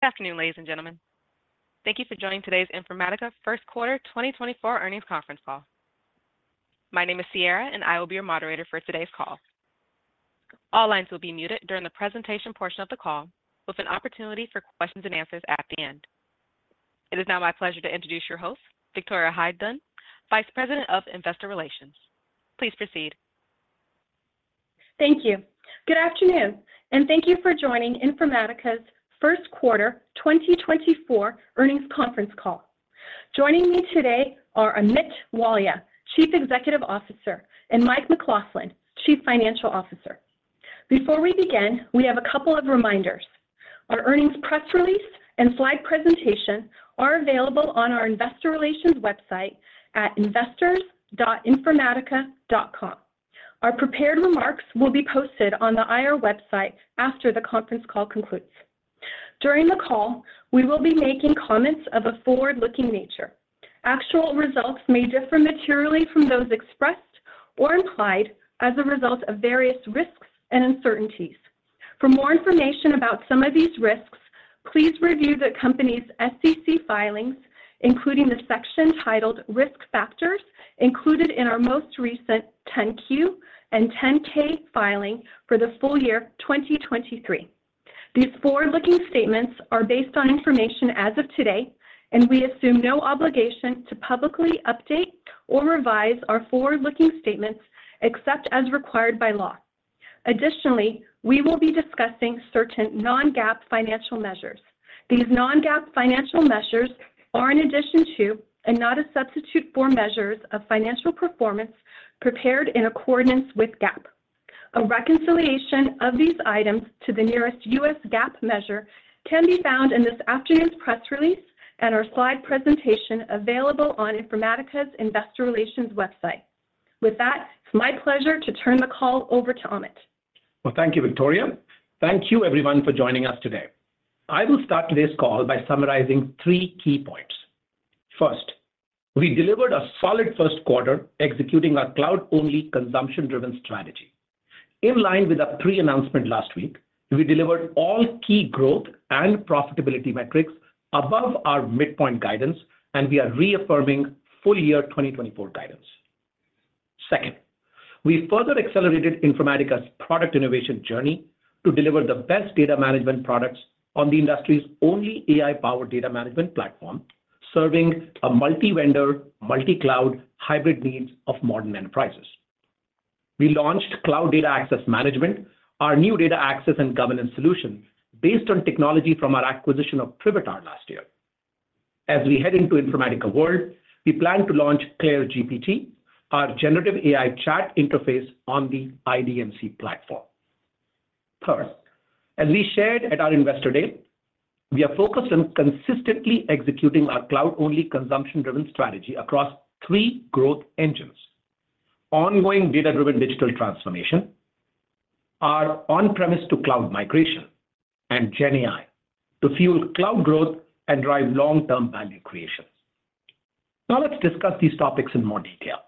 Good afternoon, ladies and gentlemen. Thank you for joining today's Informatica First Quarter 2024 earnings conference call. My name is Sierra, and I will be your moderator for today's call. All lines will be muted during the presentation portion of the call, with an opportunity for questions and answers at the end. It is now my pleasure to introduce your host, Victoria Hyde-Dunn, Vice President of Investor Relations. Please proceed. Thank you. Good afternoon, and thank you for joining Informatica's First Quarter 2024 Earnings Conference Call. Joining me today are Amit Walia, Chief Executive Officer, and Mike McLaughlin, Chief Financial Officer. Before we begin, we have a couple of reminders. Our earnings press release and slide presentation are available on our investor relations website at investors.informatica.com. Our prepared remarks will be posted on the IR website after the conference call concludes. During the call, we will be making comments of a forward-looking nature. Actual results may differ materially from those expressed or implied as a result of various risks and uncertainties. For more information about some of these risks, please review the company's SEC filings, including the section titled Risk Factors, included in our most recent 10-Q and 10-K filing for the full year 2023. These forward-looking statements are based on information as of today, and we assume no obligation to publicly update or revise our forward-looking statements except as required by law. Additionally, we will be discussing certain non-GAAP financial measures. These non-GAAP financial measures are in addition to and not a substitute for measures of financial performance prepared in accordance with GAAP. A reconciliation of these items to the nearest U.S. GAAP measure can be found in this afternoon's press release and our slide presentation available on Informatica's Investor Relations website. With that, it's my pleasure to turn the call over to Amit. Well, thank you, Victoria. Thank you everyone for joining us today. I will start today's call by summarizing three key points. First, we delivered a solid first quarter executing our cloud-only, consumption-driven strategy. In line with our pre-announcement last week, we delivered all key growth and profitability metrics above our midpoint guidance, and we are reaffirming full year 2024 guidance. Second, we further accelerated Informatica's product innovation journey to deliver the best data management products on the industry's only AI-powered data management platform, serving a multi-vendor, multi-cloud, hybrid needs of modern enterprises. We launched Cloud Data Access Management, our new data access and governance solution, based on technology from our acquisition of Privitar last year. As we head into Informatica World, we plan to launch CLAIRE GPT, our generative AI chat interface on the IDMC platform. Third, as we shared at our Investor Day, we are focused on consistently executing our cloud-only, consumption-driven strategy across three growth engines: ongoing data-driven digital transformation, our on-premise to cloud migration, and GenAI to fuel cloud growth and drive long-term value creations. Now, let's discuss these topics in more detail.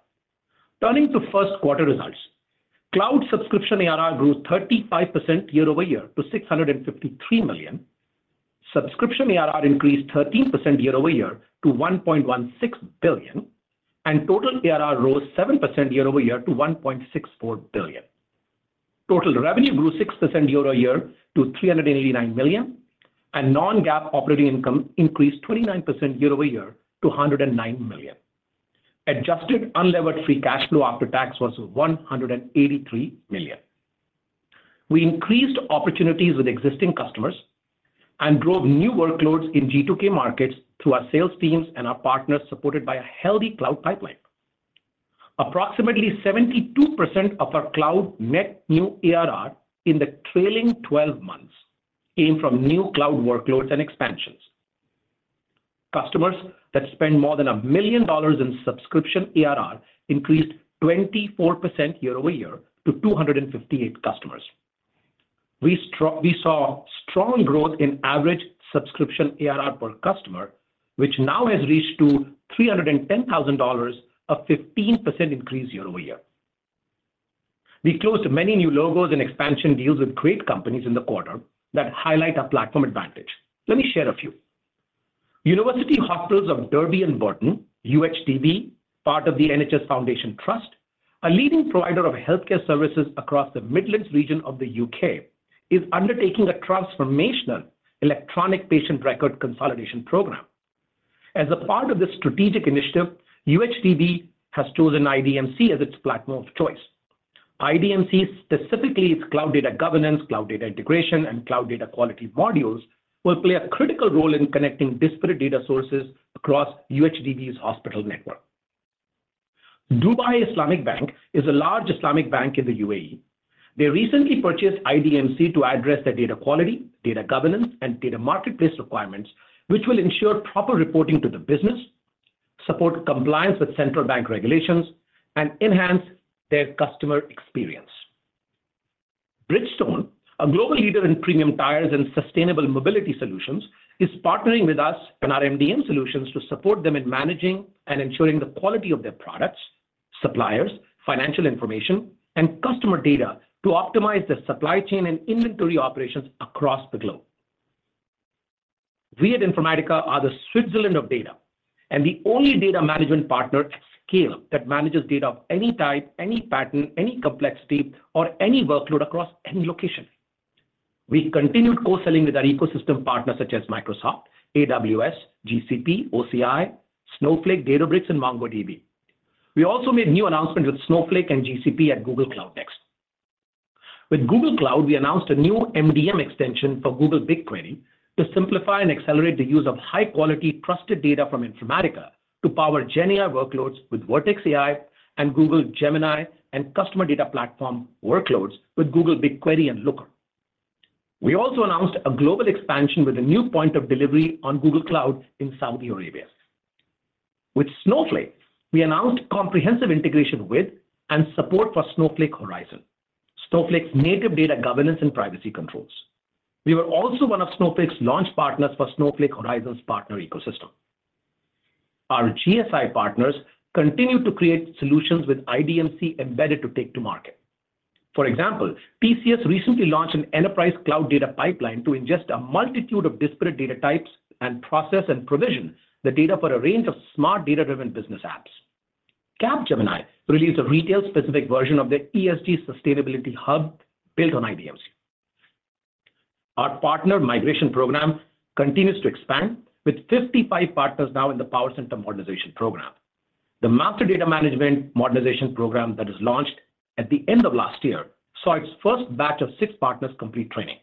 Turning to first quarter results, cloud subscription ARR grew 35% year-over-year to $653 million. Subscription ARR increased 13% year-over-year to $1.16 billion, and total ARR rose 7% year-over-year to $1.64 billion. Total revenue grew 6% year-over-year to $389 million, and non-GAAP operating income increased 29% year-over-year to $109 million. Adjusted unlevered free cash flow after tax was $183 million. We increased opportunities with existing customers and drove new workloads in G2K markets through our sales teams and our partners, supported by a healthy cloud pipeline. Approximately 72% of our cloud net new ARR in the trailing twelve months came from new cloud workloads and expansions. Customers that spend more than $1 million in subscription ARR increased 24% year-over-year to 258 customers. We saw strong growth in average subscription ARR per customer, which now has reached to $310,000, a 15% increase year-over-year. We closed many new logos and expansion deals with great companies in the quarter that highlight our platform advantage. Let me share a few. University Hospitals of Derby and Burton, UHDB, part of the NHS Foundation Trust, a leading provider of healthcare services across the Midlands region of the UK, is undertaking a transformational electronic patient record consolidation program. As a part of this strategic initiative, UHDB has chosen IDMC as its platform of choice. IDMC, specifically its Cloud Data Governance, Cloud Data Integration, and Cloud Data Quality modules, will play a critical role in connecting disparate data sources across UHDB's hospital network. Dubai Islamic Bank is a large Islamic bank in the UAE. They recently purchased IDMC to address their data quality, data governance, and data marketplace requirements, which will ensure proper reporting to the business, support compliance with central bank regulations, and enhance their customer experience. Bridgestone, a global leader in premium tires and sustainable mobility solutions, is partnering with us and our MDM solutions to support them in managing and ensuring the quality of their products, suppliers, financial information, and customer data to optimize their supply chain and inventory operations across the globe. We at Informatica are the Switzerland of data, and the only data management partner at scale that manages data of any type, any pattern, any complexity, or any workload across any location. We continued co-selling with our ecosystem partners such as Microsoft, AWS, GCP, OCI, Snowflake, Databricks, and MongoDB. We also made new announcements with Snowflake and GCP at Google Cloud Next. With Google Cloud, we announced a new MDM extension for Google BigQuery to simplify and accelerate the use of high-quality, trusted data from Informatica to power GenAI workloads with Vertex AI and Google Gemini, and customer data platform workloads with Google BigQuery and Looker. We also announced a global expansion with a new point of delivery on Google Cloud in Saudi Arabia. With Snowflake, we announced comprehensive integration with and support for Snowflake Horizon, Snowflake's native data governance and privacy controls. We were also one of Snowflake's launch partners for Snowflake Horizon's partner ecosystem. Our GSI partners continue to create solutions with IDMC embedded to take to market. For example, TCS recently launched an enterprise cloud data pipeline to ingest a multitude of disparate data types and process and provision the data for a range of smart, data-driven business apps. Capgemini released a retail-specific version of their ESG Sustainability Hub built on IDMC. Our partner migration program continues to expand, with 55 partners now in the PowerCenter Modernization program. The Master Data Management Modernization program that was launched at the end of last year saw its first batch of six partners complete training.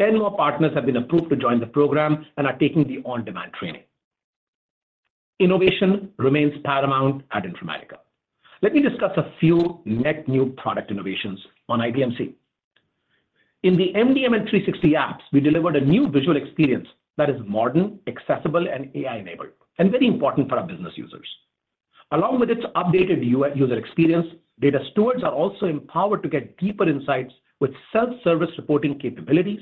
10 more partners have been approved to join the program and are taking the on-demand training. Innovation remains paramount at Informatica. Let me discuss a few net new product innovations on IDMC. In the MDM and 360 Apps, we delivered a new visual experience that is modern, accessible, and AI-enabled, and very important for our business users. Along with its updated user experience, data stewards are also empowered to get deeper insights with self-service reporting capabilities,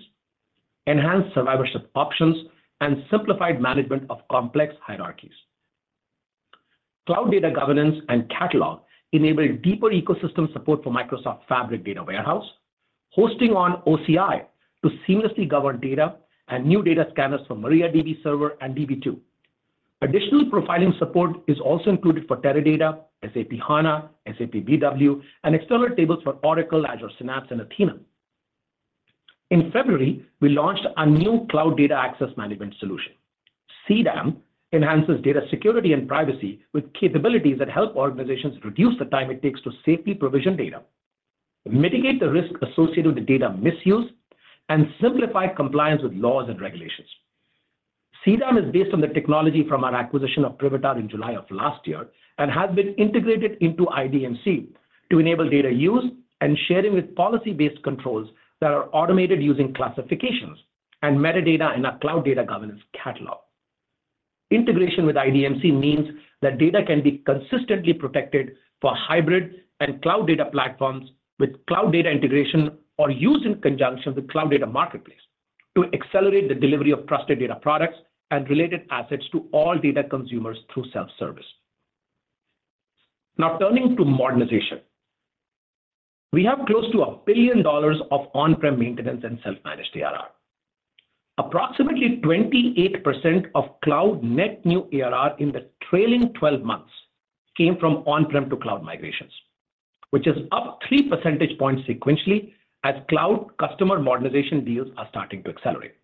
enhanced survivorship options, and simplified management of complex hierarchies. Cloud Data Governance and Catalog enabled deeper ecosystem support for Microsoft Fabric Data Warehouse, hosting on OCI to seamlessly govern data, and new data scanners for MariaDB Server and DB2. Additional profiling support is also included for Teradata, SAP HANA, SAP BW, and external tables for Oracle, Azure Synapse, and Athena. In February, we launched a new Cloud Data Access Management solution. CDAM enhances data security and privacy with capabilities that help organizations reduce the time it takes to safely provision data, mitigate the risk associated with data misuse, and simplify compliance with laws and regulations. CDAM is based on the technology from our acquisition of Privitar in July of last year and has been integrated into IDMC to enable data use and sharing with policy-based controls that are automated using classifications and metadata in our Cloud Data Governance and Catalog. Integration with IDMC means that data can be consistently protected for hybrid and cloud data platforms with Cloud Data Integration, or used in conjunction with Cloud Data Marketplace to accelerate the delivery of trusted data products and related assets to all data consumers through self-service. Now, turning to modernization. We have close to $1 billion of on-prem maintenance and self-managed ARR. Approximately 28% of cloud net new ARR in the trailing twelve months came from on-prem to cloud migrations, which is up three percentage points sequentially as cloud customer modernization deals are starting to accelerate.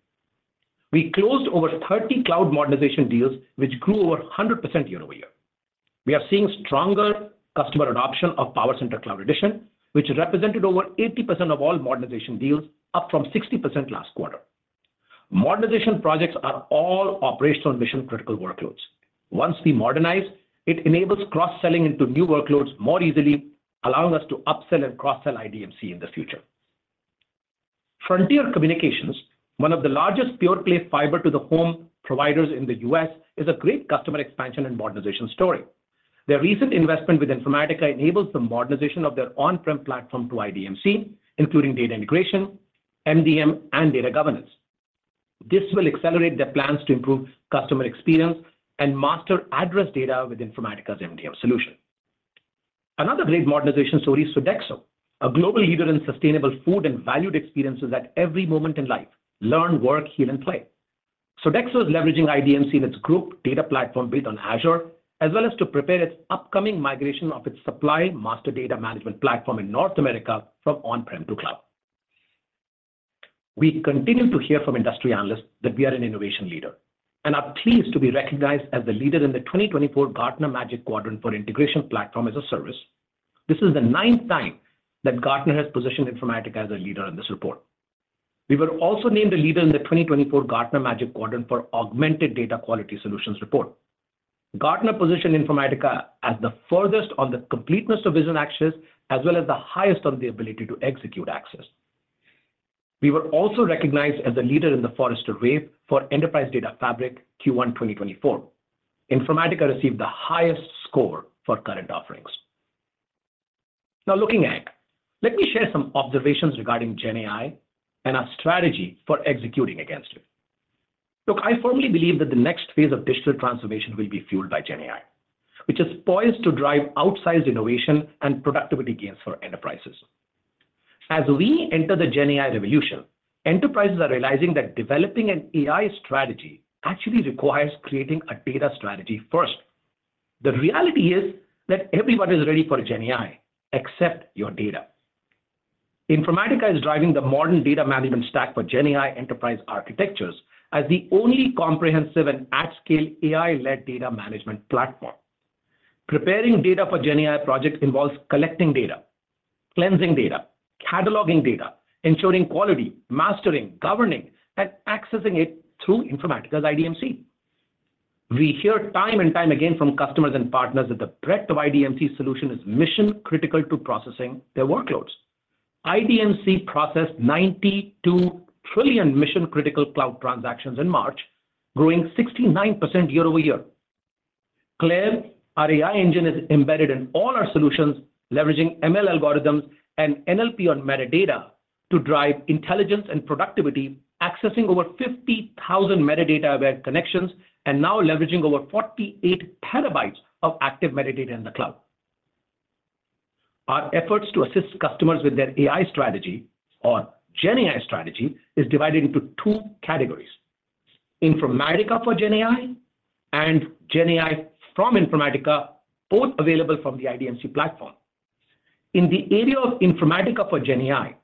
We closed over 30 cloud modernization deals, which grew over 100% year-over-year. We are seeing stronger customer adoption of PowerCenter Cloud Edition, which represented over 80% of all modernization deals, up from 60% last quarter. Modernization projects are all operational and mission-critical workloads. Once we modernize, it enables cross-selling into new workloads more easily, allowing us to upsell and cross-sell IDMC in the future. Frontier Communications, one of the largest pure-play fiber-to-the-home providers in the U.S., is a great customer expansion and modernization story. Their recent investment with Informatica enables the modernization of their on-prem platform to IDMC, including data integration, MDM, and data governance. This will accelerate their plans to improve customer experience and master address data with Informatica's MDM solution. Another great modernization story is Sodexo, a global leader in sustainable food and valued experiences at every moment in life: learn, work, heal, and play. Sodexo is leveraging IDMC in its group data platform built on Azure, as well as to prepare its upcoming migration of its supply master data management platform in North America from on-prem to cloud. We continue to hear from industry analysts that we are an innovation leader and are pleased to be recognized as the leader in the 2024 Gartner Magic Quadrant for Integration Platform as a Service. This is the ninth time that Gartner has positioned Informatica as a leader in this report. We were also named a leader in the 2024 Gartner Magic Quadrant for Augmented Data Quality Solutions report. Gartner positioned Informatica as the furthest on the completeness of vision axis, as well as the highest on the ability to execute axis. We were also recognized as a leader in the Forrester Wave for Enterprise Data Fabric Q1 2024. Informatica received the highest score for current offerings. Now looking ahead, let me share some observations regarding GenAI and our strategy for executing against it. Look, I firmly believe that the next phase of digital transformation will be fueled by GenAI, which is poised to drive outsized innovation and productivity gains for enterprises. As we enter the GenAI revolution, enterprises are realizing that developing an AI strategy actually requires creating a data strategy first. The reality is that everybody is ready for GenAI, except your data. Informatica is driving the modern data management stack for GenAI enterprise architectures as the only comprehensive and at-scale AI-led data management platform. Preparing data for GenAI projects involves collecting data, cleansing data, cataloging data, ensuring quality, mastering, governing, and accessing it through Informatica's IDMC. We hear time and time again from customers and partners that the breadth of IDMC solution is mission-critical to processing their workloads. IDMC processed 92 trillion mission-critical cloud transactions in March, growing 69% year-over-year. CLAIRE, our AI engine, is embedded in all our solutions, leveraging ML algorithms and NLP on metadata to drive intelligence and productivity, accessing over 50,000 metadata-aware connections, and now leveraging over 48 TB of active metadata in the cloud. Our efforts to assist customers with their AI strategy or GenAI strategy is divided into two categories: Informatica for GenAI and GenAI from Informatica, both available from the IDMC platform. In the area of Informatica for GenAI,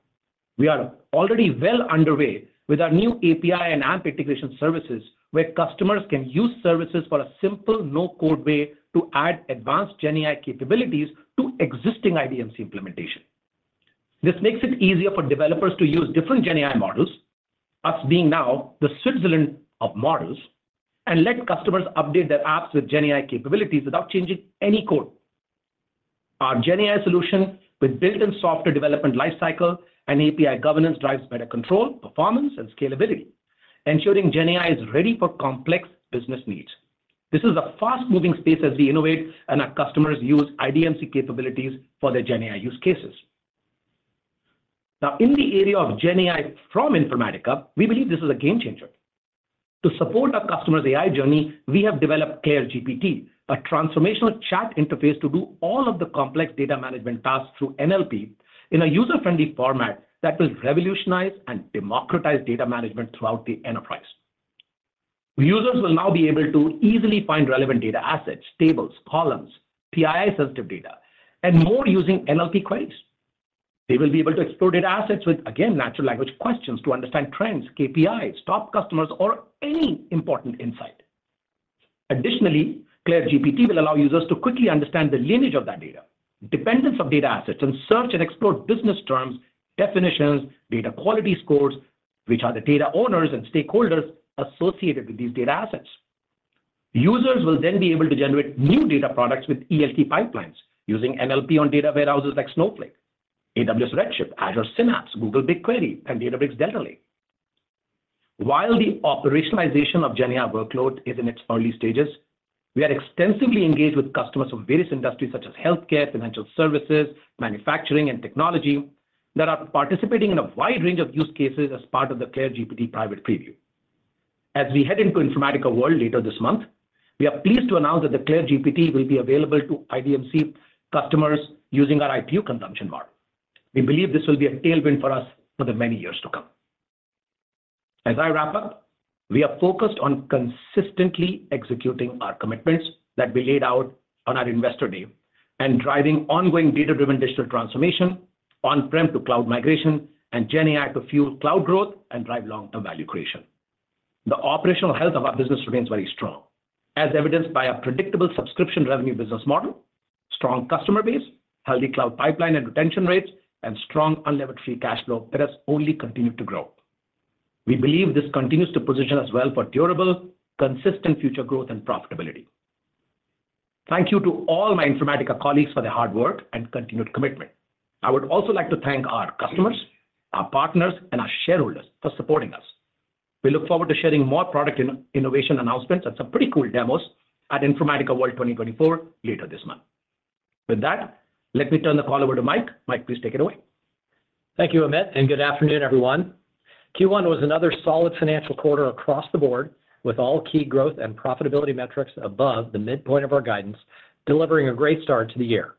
we are already well underway with our new API and app integration services, where customers can use services for a simple, no-code way to add advanced GenAI capabilities to existing IDMC implementation. This makes it easier for developers to use different GenAI models, us being now the Switzerland of models, and let customers update their apps with GenAI capabilities without changing any code. Our GenAI solution with built-in software development lifecycle and API governance drives better control, performance, and scalability, ensuring GenAI is ready for complex business needs. This is a fast-moving space as we innovate and our customers use IDMC capabilities for their GenAI use cases. Now, in the area of GenAI from Informatica, we believe this is a game changer. To support our customers' AI journey, we have developed CLAIRE GPT, a transformational chat interface to do all of the complex data management tasks through NLP in a user-friendly format that will revolutionize and democratize data management throughout the enterprise. Users will now be able to easily find relevant data assets, tables, columns, PII-sensitive data, and more using NLP queries. They will be able to explore data assets with, again, natural language questions to understand trends, KPIs, top customers, or any important insight. Additionally, CLAIRE GPT will allow users to quickly understand the lineage of that data, dependence of data assets, and search and explore business terms, definitions, data quality scores, which are the data owners and stakeholders associated with these data assets. Users will then be able to generate new data products with ELT pipelines using NLP on data warehouses like Snowflake, AWS Redshift, Azure Synapse, Google BigQuery, and Databricks Delta Lake. While the operationalization of GenAI workload is in its early stages, we are extensively engaged with customers from various industries, such as healthcare, financial services, manufacturing, and technology, that are participating in a wide range of use cases as part of the CLAIRE GPT private preview. As we head into Informatica World later this month, we are pleased to announce that the CLAIRE GPT will be available to IDMC customers using our IPU consumption model. We believe this will be a tailwind for us for the many years to come. As I wrap up, we are focused on consistently executing our commitments that we laid out on our Investor Day and driving ongoing data-driven digital transformation, on-prem to cloud migration, and GenAI to fuel cloud growth and drive long-term value creation. The operational health of our business remains very strong, as evidenced by a predictable subscription revenue business model, strong customer base, healthy cloud pipeline and retention rates, and strong unlevered free cash flow that has only continued to grow. We believe this continues to position us well for durable, consistent future growth and profitability. Thank you to all my Informatica colleagues for their hard work and continued commitment. I would also like to thank our customers, our partners, and our shareholders for supporting us. We look forward to sharing more product innovation announcements and some pretty cool demos at Informatica World 2024 later this month. With that, let me turn the call over to Mike. Mike, please take it away. Thank you, Amit, and good afternoon, everyone. Q1 was another solid financial quarter across the board, with all key growth and profitability metrics above the midpoint of our guidance, delivering a great start to the year.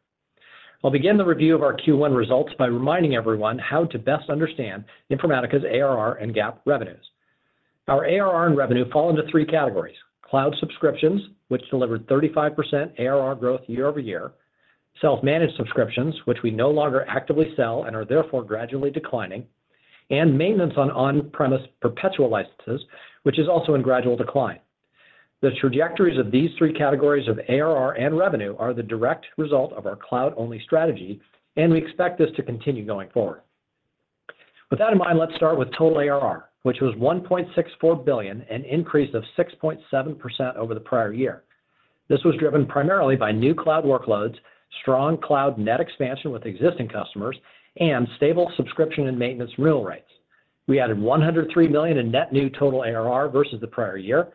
I'll begin the review of our Q1 results by reminding everyone how to best understand Informatica's ARR and GAAP revenues. Our ARR and revenue fall into three categories: cloud subscriptions, which delivered 35% ARR growth year-over-year; self-managed subscriptions, which we no longer actively sell and are therefore gradually declining; and maintenance on on-premise perpetual licenses, which is also in gradual decline. The trajectories of these three categories of ARR and revenue are the direct result of our cloud-only strategy, and we expect this to continue going forward. With that in mind, let's start with total ARR, which was $1.64 billion, an increase of 6.7% over the prior year. This was driven primarily by new cloud workloads, strong cloud net expansion with existing customers, and stable subscription and maintenance renewal rates. We added $103 million in net new total ARR versus the prior year.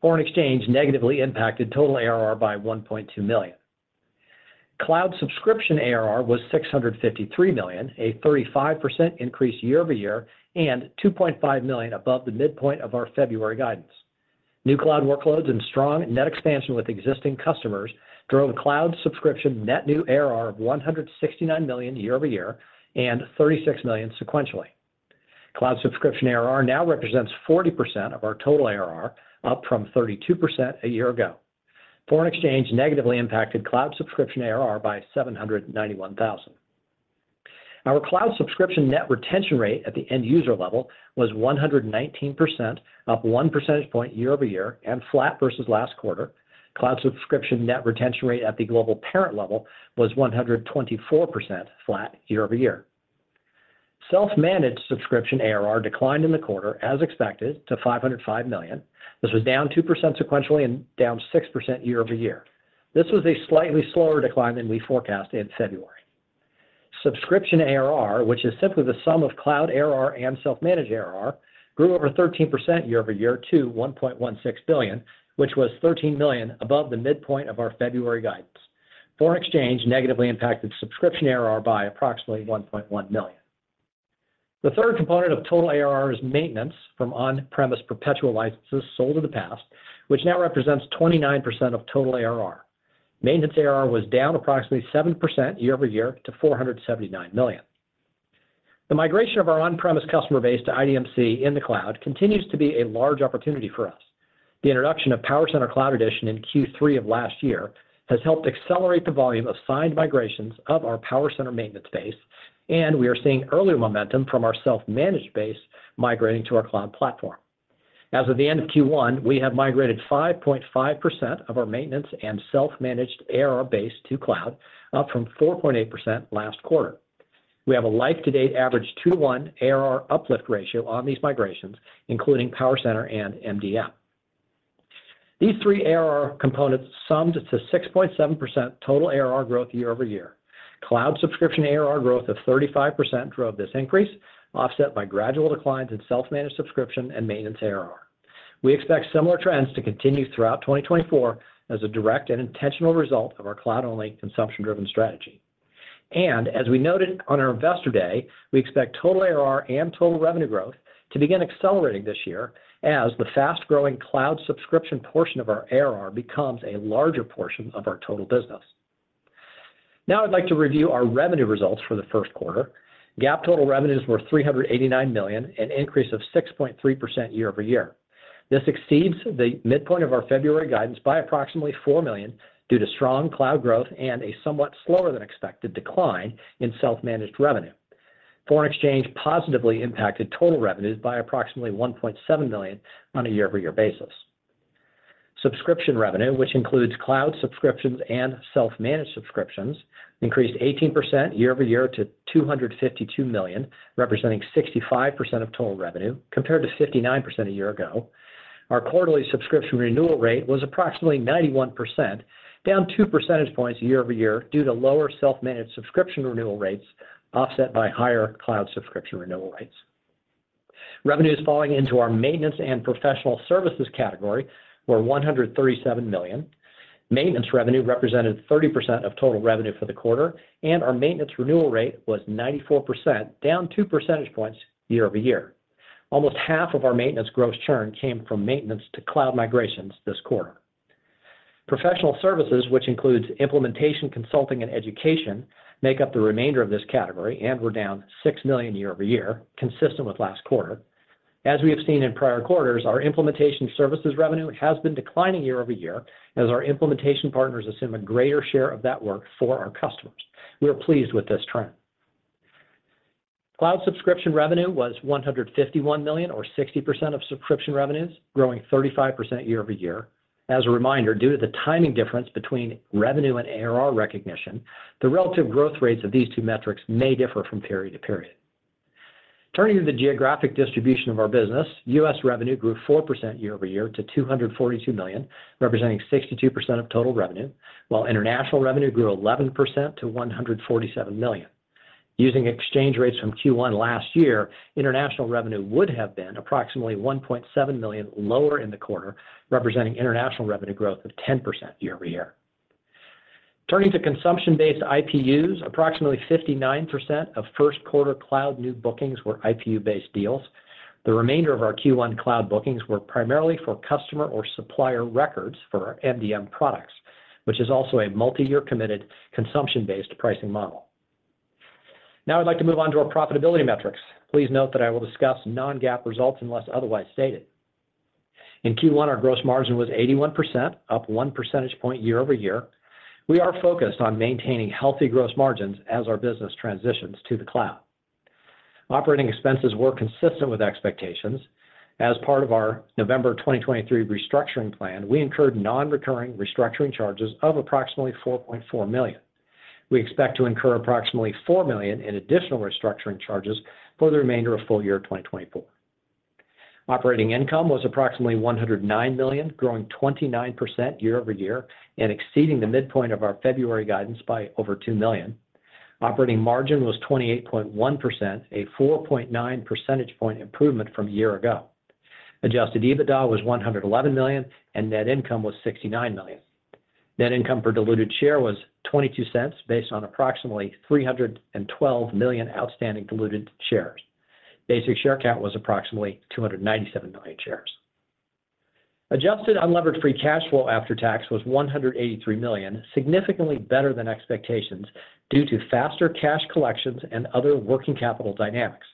Foreign exchange negatively impacted total ARR by $1.2 million. Cloud subscription ARR was $653 million, a 35% increase year-over-year, and $2.5 million above the midpoint of our February guidance. New cloud workloads and strong net expansion with existing customers drove cloud subscription net new ARR of $169 million year-over-year, and $36 million sequentially. Cloud subscription ARR now represents 40% of our total ARR, up from 32% a year ago. Foreign exchange negatively impacted cloud subscription ARR by $791,000. Our cloud subscription net retention rate at the end user level was 119%, up 1 percentage point year over year, and flat versus last quarter. Cloud subscription net retention rate at the global parent level was 124%, flat year over year. Self-managed subscription ARR declined in the quarter, as expected, to $505 million. This was down 2% sequentially and down 6% year over year. This was a slightly slower decline than we forecast in February. Subscription ARR, which is simply the sum of cloud ARR and self-managed ARR, grew over 13% year-over-year to $1.16 billion, which was $13 million above the midpoint of our February guidance. Foreign exchange negatively impacted subscription ARR by approximately $1.1 million. The third component of total ARR is maintenance from on-premise perpetual licenses sold in the past, which now represents 29% of total ARR. Maintenance ARR was down approximately 7% year-over-year to $479 million. The migration of our on-premise customer base to IDMC in the cloud continues to be a large opportunity for us. The introduction of PowerCenter Cloud Edition in Q3 of last year has helped accelerate the volume of signed migrations of our PowerCenter maintenance base, and we are seeing earlier momentum from our self-managed base migrating to our cloud platform. As of the end of Q1, we have migrated 5.5% of our maintenance and self-managed ARR base to cloud, up from 4.8% last quarter. We have a life-to-date average 2:1 ARR uplift ratio on these migrations, including PowerCenter and MDM. These three ARR components summed to 6.7% total ARR growth year-over-year. Cloud subscription ARR growth of 35% drove this increase, offset by gradual declines in self-managed subscription and maintenance ARR. We expect similar trends to continue throughout 2024 as a direct and intentional result of our cloud-only, consumption-driven strategy. And as we noted on our Investor Day, we expect total ARR and total revenue growth to begin accelerating this year as the fast-growing cloud subscription portion of our ARR becomes a larger portion of our total business. Now I'd like to review our revenue results for the first quarter. GAAP total revenues were $389 million, an increase of 6.3% year-over-year. This exceeds the midpoint of our February guidance by approximately $4 million due to strong cloud growth and a somewhat slower than expected decline in self-managed revenue. Foreign exchange positively impacted total revenues by approximately $1.7 million on a year-over-year basis. Subscription revenue, which includes cloud subscriptions and self-managed subscriptions, increased 18% year-over-year to $252 million, representing 65% of total revenue, compared to 59% a year ago. Our quarterly subscription renewal rate was approximately 91%, down 2 percentage points year-over-year due to lower self-managed subscription renewal rates, offset by higher cloud subscription renewal rates. Revenues falling into our maintenance and professional services category were $137 million. Maintenance revenue represented 30% of total revenue for the quarter, and our maintenance renewal rate was 94%, down 2 percentage points year over year. Almost half of our maintenance gross churn came from maintenance to cloud migrations this quarter. Professional services, which includes implementation, consulting, and education, make up the remainder of this category and were down $6 million year over year, consistent with last quarter. As we have seen in prior quarters, our implementation services revenue has been declining year over year as our implementation partners assume a greater share of that work for our customers. We are pleased with this trend. Cloud subscription revenue was $151 million, or 60% of subscription revenues, growing 35% year over year. As a reminder, due to the timing difference between revenue and ARR recognition, the relative growth rates of these two metrics may differ from period to period. Turning to the geographic distribution of our business, U.S. revenue grew 4% year-over-year to $242 million, representing 62% of total revenue, while international revenue grew 11% to $147 million. Using exchange rates from Q1 last year, international revenue would have been approximately $1.7 million lower in the quarter, representing international revenue growth of 10% year-over-year. Turning to consumption-based IPUs, approximately 59% of first quarter cloud new bookings were IPU-based deals. The remainder of our Q1 cloud bookings were primarily for customer or supplier records for our MDM products, which is also a multi-year committed, consumption-based pricing model. Now I'd like to move on to our profitability metrics. Please note that I will discuss non-GAAP results unless otherwise stated. In Q1, our gross margin was 81%, up 1 percentage point year-over-year. We are focused on maintaining healthy gross margins as our business transitions to the cloud. Operating expenses were consistent with expectations. As part of our November 2023 restructuring plan, we incurred non-recurring restructuring charges of approximately $4.4 million. We expect to incur approximately $4 million in additional restructuring charges for the remainder of full year 2024. Operating income was approximately $109 million, growing 29% year-over-year and exceeding the midpoint of our February guidance by over $2 million.... Operating margin was 28.1%, a 4.9 percentage point improvement from a year ago. Adjusted EBITDA was $111 million, and net income was $69 million. Net income per diluted share was $0.22, based on approximately 312 million outstanding diluted shares. Basic share count was approximately 297 million shares. Adjusted unlevered free cash flow after tax was $183 million, significantly better than expectations due to faster cash collections and other working capital dynamics.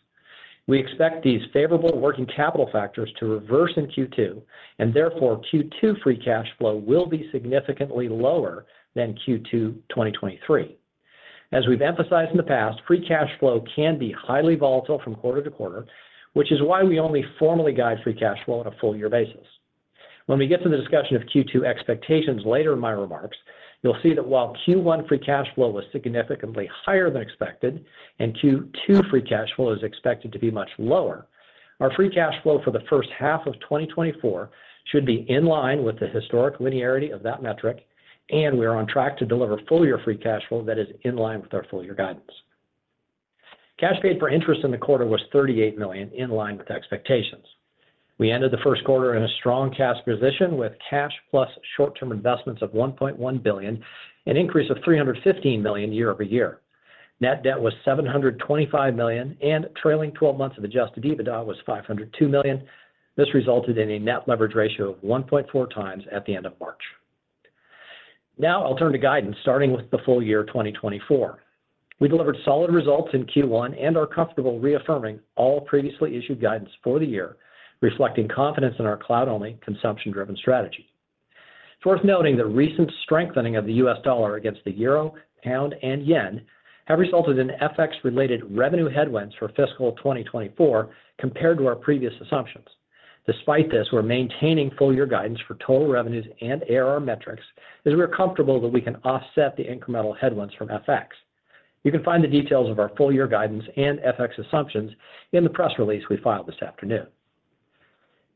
We expect these favorable working capital factors to reverse in Q2, and therefore, Q2 free cash flow will be significantly lower than Q2 2023. As we've emphasized in the past, free cash flow can be highly volatile from quarter to quarter, which is why we only formally guide free cash flow on a full year basis. When we get to the discussion of Q2 expectations later in my remarks, you'll see that while Q1 free cash flow was significantly higher than expected and Q2 free cash flow is expected to be much lower, our free cash flow for the first half of 2024 should be in line with the historic linearity of that metric, and we are on track to deliver full year free cash flow that is in line with our full year guidance. Cash paid for interest in the quarter was $38 million, in line with expectations. We ended the first quarter in a strong cash position, with cash plus short-term investments of $1.1 billion, an increase of $315 million year-over-year. Net debt was $725 million, and trailing twelve months of adjusted EBITDA was $502 million. This resulted in a net leverage ratio of 1.4 times at the end of March. Now I'll turn to guidance, starting with the full year 2024. We delivered solid results in Q1 and are comfortable reaffirming all previously issued guidance for the year, reflecting confidence in our cloud-only, consumption-driven strategy. It's worth noting that recent strengthening of the U.S. dollar against the euro, pound, and yen have resulted in FX-related revenue headwinds for fiscal 2024 compared to our previous assumptions. Despite this, we're maintaining full year guidance for total revenues and ARR metrics, as we're comfortable that we can offset the incremental headwinds from FX. You can find the details of our full year guidance and FX assumptions in the press release we filed this afternoon.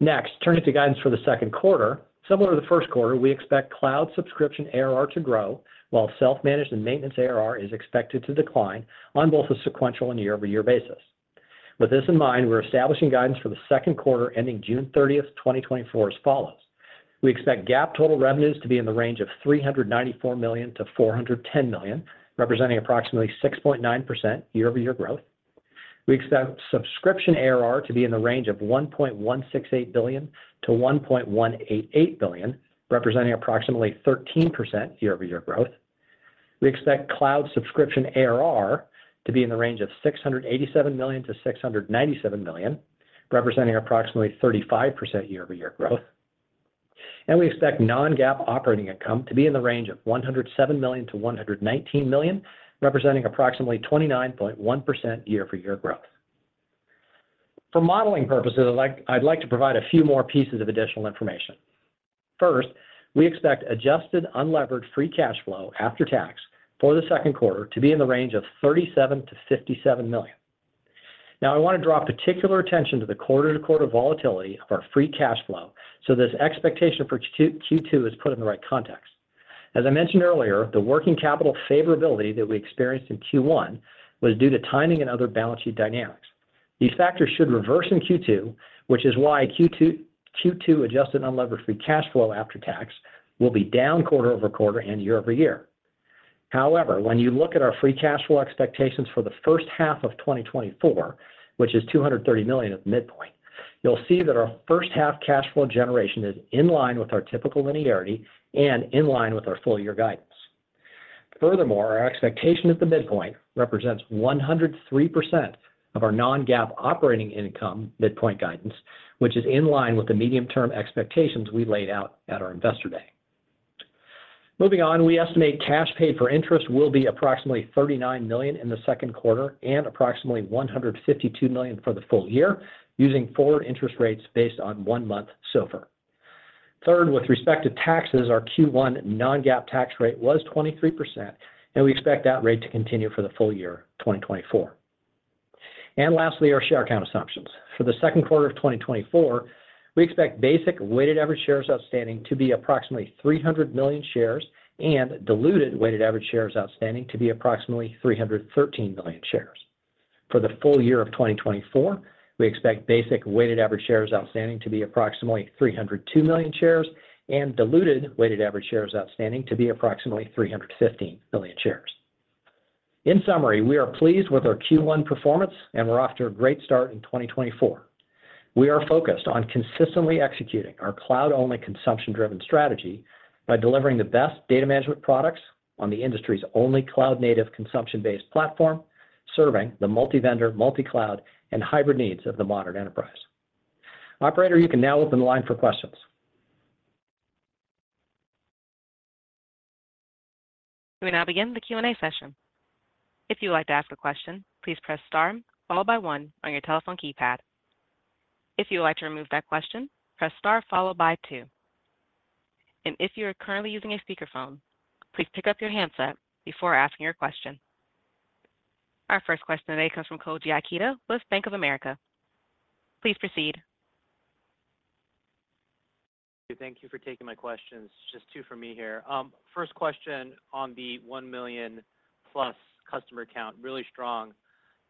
Next, turning to guidance for the second quarter. Similar to the first quarter, we expect cloud subscription ARR to grow, while self-managed and maintenance ARR is expected to decline on both a sequential and year-over-year basis. With this in mind, we're establishing guidance for the second quarter, ending June thirtieth, 2024, as follows: We expect GAAP total revenues to be in the range of $394 million-$410 million, representing approximately 6.9% year-over-year growth. We expect subscription ARR to be in the range of $1.168 billion-$1.188 billion, representing approximately 13% year-over-year growth. We expect cloud subscription ARR to be in the range of $687 million-$697 million, representing approximately 35% year-over-year growth. We expect non-GAAP operating income to be in the range of $107 million-$119 million, representing approximately 29.1% year-over-year growth. For modeling purposes, I'd like, I'd like to provide a few more pieces of additional information. First, we expect adjusted unlevered free cash flow after tax for the second quarter to be in the range of $37 million-$57 million. Now, I want to draw particular attention to the quarter-to-quarter volatility of our free cash flow, so this expectation for Q2 is put in the right context. As I mentioned earlier, the working capital favorability that we experienced in Q1 was due to timing and other balance sheet dynamics. These factors should reverse in Q2, which is why Q2, Q2 adjusted unlevered free cash flow after tax will be down quarter-over-quarter and year-over-year. However, when you look at our free cash flow expectations for the first half of 2024, which is $230 million at the midpoint, you'll see that our first half cash flow generation is in line with our typical linearity and in line with our full year guidance. Furthermore, our expectation at the midpoint represents 103% of our non-GAAP operating income midpoint guidance, which is in line with the medium-term expectations we laid out at our Investor Day. Moving on, we estimate cash paid for interest will be approximately $39 million in the second quarter and approximately $152 million for the full year, using forward interest rates based on one-month SOFR. Third, with respect to taxes, our Q1 non-GAAP tax rate was 23%, and we expect that rate to continue for the full year 2024. And lastly, our share count assumptions. For the second quarter of 2024, we expect basic weighted average shares outstanding to be approximately 300 million shares and diluted weighted average shares outstanding to be approximately 313 million shares. For the full year of 2024, we expect basic weighted average shares outstanding to be approximately 302 million shares and diluted weighted average shares outstanding to be approximately 315 million shares. In summary, we are pleased with our Q1 performance, and we're off to a great start in 2024. We are focused on consistently executing our cloud-only, consumption-driven strategy by delivering the best data management products on the industry's only cloud-native, consumption-based platform, serving the multi-vendor, multi-cloud, and hybrid needs of the modern enterprise. Operator, you can now open the line for questions. We now begin the Q&A session. If you'd like to ask a question, please press star, followed by one on your telephone keypad. If you would like to remove that question, press star followed by two. And if you are currently using a speakerphone, please pick up your handset before asking your question. Our first question today comes from Koji Ikeda with Bank of America. Please proceed.... Thank you for taking my questions. Just two for me here. First question on the 1 million+ customer count, really strong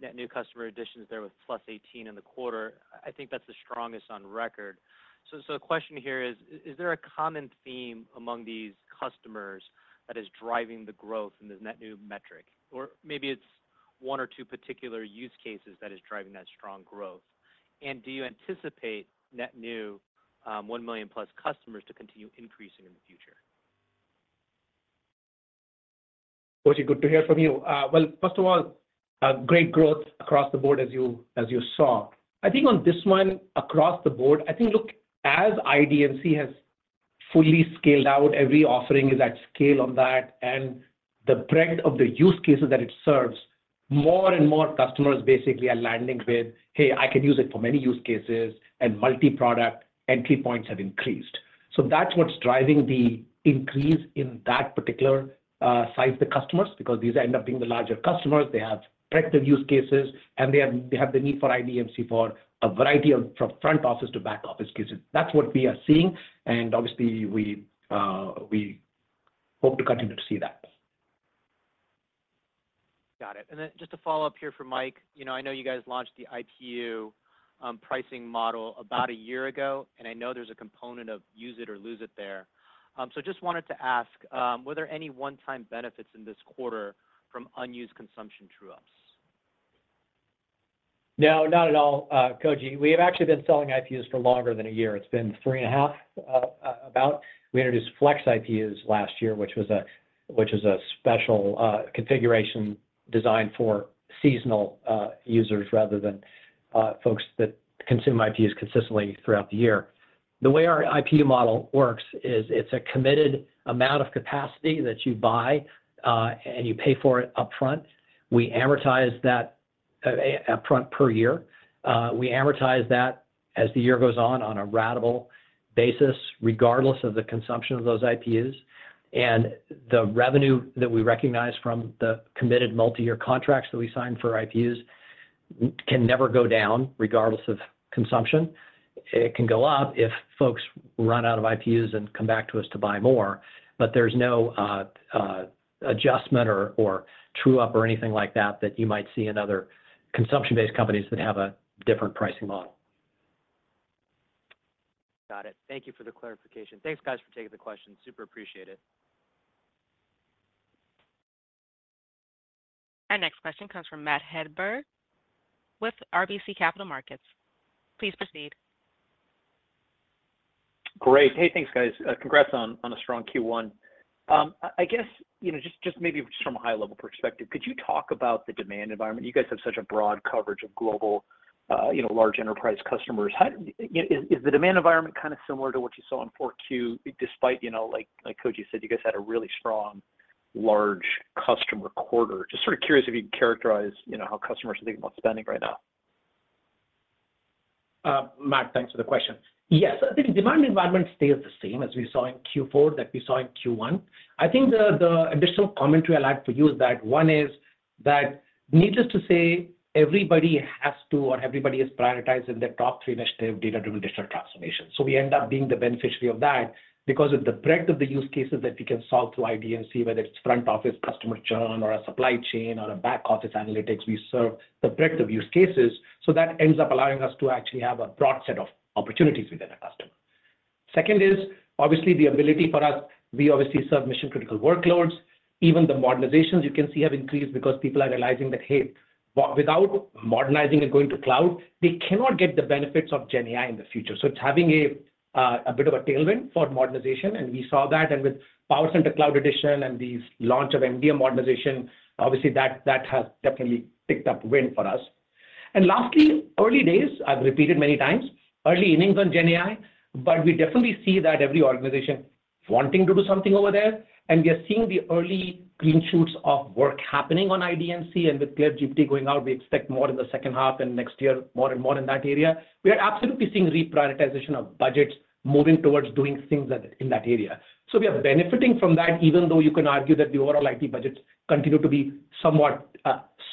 net new customer additions there with +18 in the quarter. I think that's the strongest on record. So the question here is, is there a common theme among these customers that is driving the growth in the net new metric? Or maybe it's one or two particular use cases that is driving that strong growth. And do you anticipate net new 1 million+ customers to continue increasing in the future? Koji, good to hear from you. Well, first of all, a great growth across the board, as you, as you saw. I think on this one, across the board, I think, look, as IDMC has fully scaled out, every offering is at scale on that and the breadth of the use cases that it serves, more and more customers basically are landing with, "Hey, I can use it for many use cases," and multi-product entry points have increased. So that's what's driving the increase in that particular size of the customers, because these end up being the larger customers. They have breadth of use cases, and they have, they have the need for IDMC for a variety of from front office to back office cases. That's what we are seeing, and obviously, we, we hope to continue to see that. Got it. And then just to follow up here for Mike, you know, I know you guys launched the IPU pricing model about a year ago, and I know there's a component of use it or lose it there. So just wanted to ask, were there any one-time benefits in this quarter from unused consumption true-ups? No, not at all, Koji. We have actually been selling IPUs for longer than a year. It's been 3.5, about. We introduced Flex IPUs last year, which is a special configuration designed for seasonal users rather than folks that consume IPUs consistently throughout the year. The way our IPU model works is it's a committed amount of capacity that you buy, and you pay for it upfront. We amortize that upfront per year. We amortize that as the year goes on, on a ratable basis, regardless of the consumption of those IPUs. And the revenue that we recognize from the committed multi-year contracts that we sign for IPUs can never go down, regardless of consumption. It can go up if folks run out of IPUs and come back to us to buy more, but there's no adjustment or true-up or anything like that, that you might see in other consumption-based companies that have a different pricing model. Got it. Thank you for the clarification. Thanks, guys, for taking the question. Super appreciate it. Our next question comes from Matt Hedberg with RBC Capital Markets. Please proceed. Great. Hey, thanks, guys. Congrats on a strong Q1. I guess, you know, just maybe from a high level perspective, could you talk about the demand environment? You guys have such a broad coverage of global, you know, large enterprise customers. How is the demand environment kind of similar to what you saw in Q4, despite, you know, like Koji said, you guys had a really strong large customer quarter? Just sort of curious if you could characterize, you know, how customers are thinking about spending right now. Matt, thanks for the question. Yes, I think the demand environment stays the same as we saw in Q4, that we saw in Q1. I think the, the additional commentary I'd like to use, that one is that needless to say, everybody has to or everybody is prioritizing their top three initiative, data-driven digital transformation. So we end up being the beneficiary of that because of the breadth of the use cases that we can solve through IDMC, whether it's front office, customer churn, or a supply chain, or a back office analytics. We serve the breadth of use cases, so that ends up allowing us to actually have a broad set of opportunities within a customer. Second is, obviously the ability for us, we obviously serve mission-critical workloads. Even the modernizations you can see have increased because people are realizing that, hey, without modernizing and going to cloud, they cannot get the benefits of Gen AI in the future. So it's having a bit of a tailwind for modernization, and we saw that. And with PowerCenter Cloud Edition and the launch of MDM modernization, obviously, that has definitely picked up wind for us. And lastly, early days, I've repeated many times, early innings on Gen AI, but we definitely see that every organization wanting to do something over there, and we are seeing the early green shoots of work happening on IDMC, and with CLAIRE GPT going out, we expect more in the second half and next year, more and more in that area. We are absolutely seeing reprioritization of budgets moving towards doing things that, in that area. So we are benefiting from that, even though you can argue that the overall IT budgets continue to be somewhat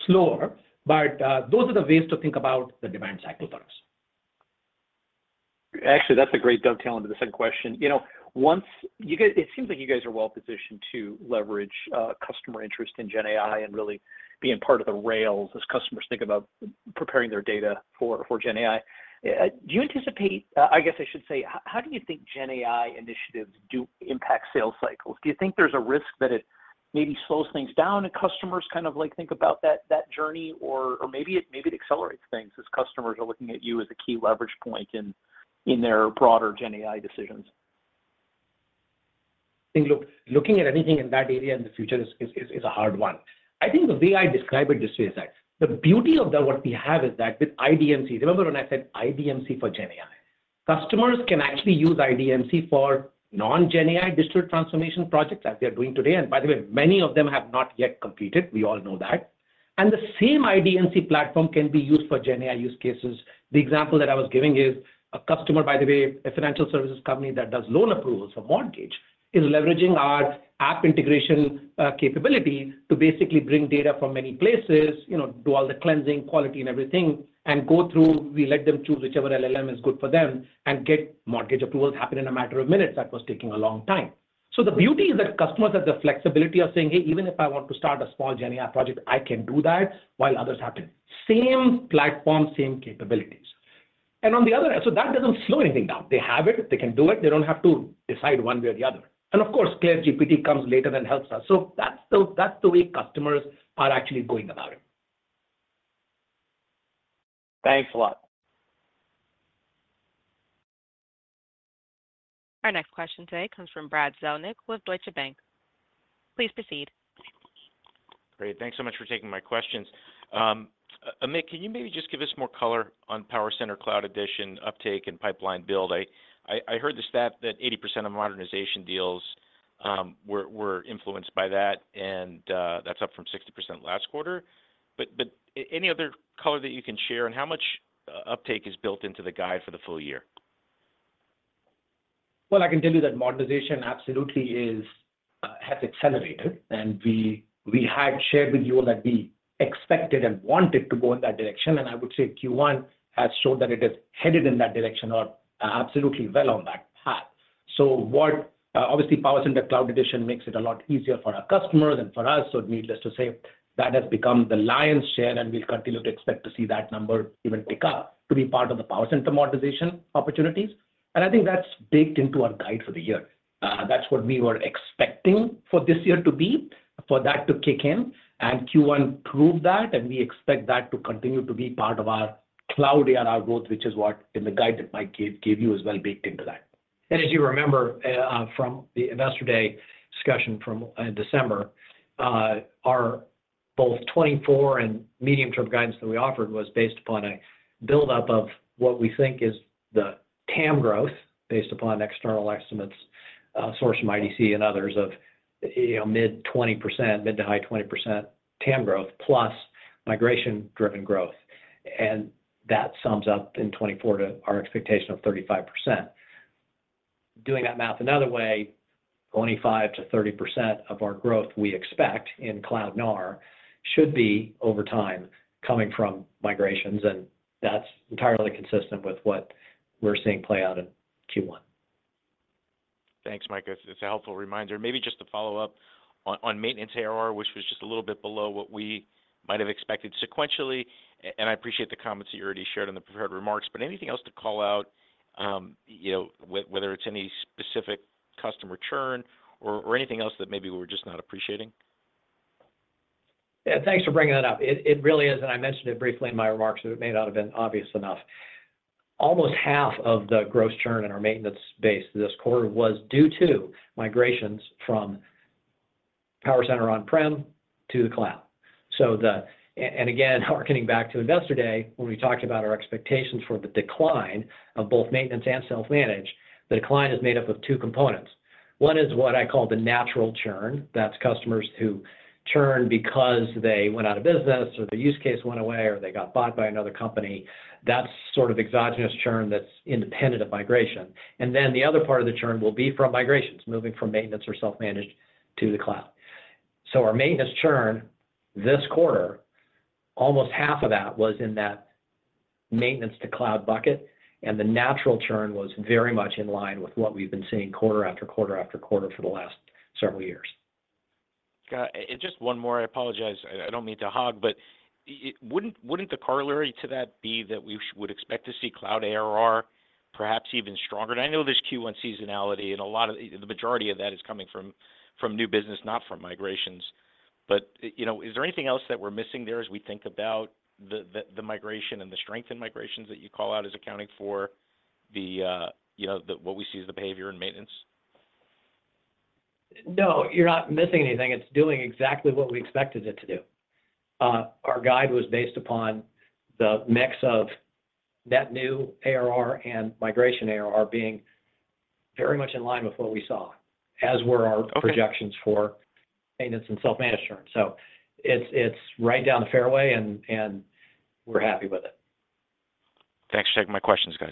slower. But those are the ways to think about the demand cycle for us. Actually, that's a great dovetail into the second question. You know, once you guys, it seems like you guys are well positioned to leverage customer interest in Gen AI and really being part of the rails as customers think about preparing their data for Gen AI. Do you anticipate... I guess I should say, how do you think Gen AI initiatives do impact sales cycles? Do you think there's a risk that it maybe slows things down and customers kind of like think about that journey, or maybe it accelerates things as customers are looking at you as a key leverage point in their broader Gen AI decisions? Looking at anything in that area in the future is a hard one. I think the way I describe it this way is that the beauty of the work we have is that with IDMC, remember when I said IDMC for Gen AI, customers can actually use IDMC for non-Gen AI digital transformation projects as they are doing today. And by the way, many of them have not yet completed. We all know that. And the same IDMC platform can be used for Gen AI use cases. The example that I was giving is a customer, by the way, a financial services company that does loan approvals for mortgages, is leveraging our data integration capability to basically bring data from many places, you know, do all the cleansing, quality and everything, and go through. We let them choose whichever LLM is good for them and get mortgage approvals happen in a matter of minutes. That was taking a long time... So the beauty is that customers have the flexibility of saying, "Hey, even if I want to start a small GenAI project, I can do that," while others haven't. Same platform, same capabilities. And on the other end, so that doesn't slow anything down. They have it, they can do it. They don't have to decide one way or the other. And of course, ChatGPT comes later and helps us. So that's the, that's the way customers are actually going about it. Thanks a lot. Our next question today comes from Brad Zelnick with Deutsche Bank. Please proceed. Great. Thanks so much for taking my questions. Amit, can you maybe just give us more color on PowerCenter Cloud Edition uptake and pipeline build? I heard the stat that 80% of modernization deals were influenced by that, and that's up from 60% last quarter. Any other color that you can share, and how much uptake is built into the guide for the full year? Well, I can tell you that modernization absolutely is, has accelerated, and we, we had shared with you that we expected and wanted to go in that direction, and I would say Q1 has showed that it is headed in that direction or absolutely well on that path. So what, obviously, PowerCenter Cloud Edition makes it a lot easier for our customers and for us, so needless to say, that has become the lion's share, and we'll continue to expect to see that number even pick up to be part of the PowerCenter modernization opportunities. And I think that's baked into our guide for the year. That's what we were expecting for this year to be, for that to kick in, and Q1 proved that, and we expect that to continue to be part of our cloud ARR growth, which is what, in the guide that Mike gave, gave you as well, baked into that. And as you remember, from the Investor Day discussion from December, our both 2024 and medium-term guidance that we offered was based upon a buildup of what we think is the TAM growth, based upon external estimates, source from IDC and others of, you know, mid-20%, mid- to high-20% TAM growth, plus migration-driven growth. And that sums up in 2024 to our expectation of 35%. Doing that math another way, only 5%-30% of our growth we expect in cloud NAR should be, over time, coming from migrations, and that's entirely consistent with what we're seeing play out in Q1. Thanks, Mike. It's a helpful reminder. Maybe just to follow up on maintenance ARR, which was just a little bit below what we might have expected sequentially, and I appreciate the comments that you already shared in the prepared remarks, but anything else to call out, you know, whether it's any specific customer churn or anything else that maybe we're just not appreciating? Yeah, thanks for bringing that up. It really is, and I mentioned it briefly in my remarks, so it may not have been obvious enough. Almost half of the gross churn in our maintenance base this quarter was due to migrations from PowerCenter on-prem to the cloud. So and again, hearkening back to Investor Day, when we talked about our expectations for the decline of both maintenance and self-managed, the decline is made up of two components. One is what I call the natural churn. That's customers who churn because they went out of business, or the use case went away, or they got bought by another company. That's sort of exogenous churn that's independent of migration. And then, the other part of the churn will be from migrations, moving from maintenance or self-managed to the cloud. So our maintenance churn this quarter, almost half of that was in that maintenance-to-cloud bucket, and the natural churn was very much in line with what we've been seeing quarter after quarter after quarter for the last several years. Got it. And just one more, I apologize. I don't mean to hog, but wouldn't the corollary to that be that we would expect to see cloud ARR perhaps even stronger? And I know there's Q1 seasonality, and a lot of the majority of that is coming from new business, not from migrations. But you know, is there anything else that we're missing there as we think about the migration and the strength in migrations that you call out as accounting for the, you know, the what we see as the behavior in maintenance? No, you're not missing anything. It's doing exactly what we expected it to do. Our guide was based upon the mix of net new ARR and migration ARR being very much in line with what we saw, as were our- Okay... projections for maintenance and self-managed churn. So it's right down the fairway, and we're happy with it. Thanks for taking my questions, guys.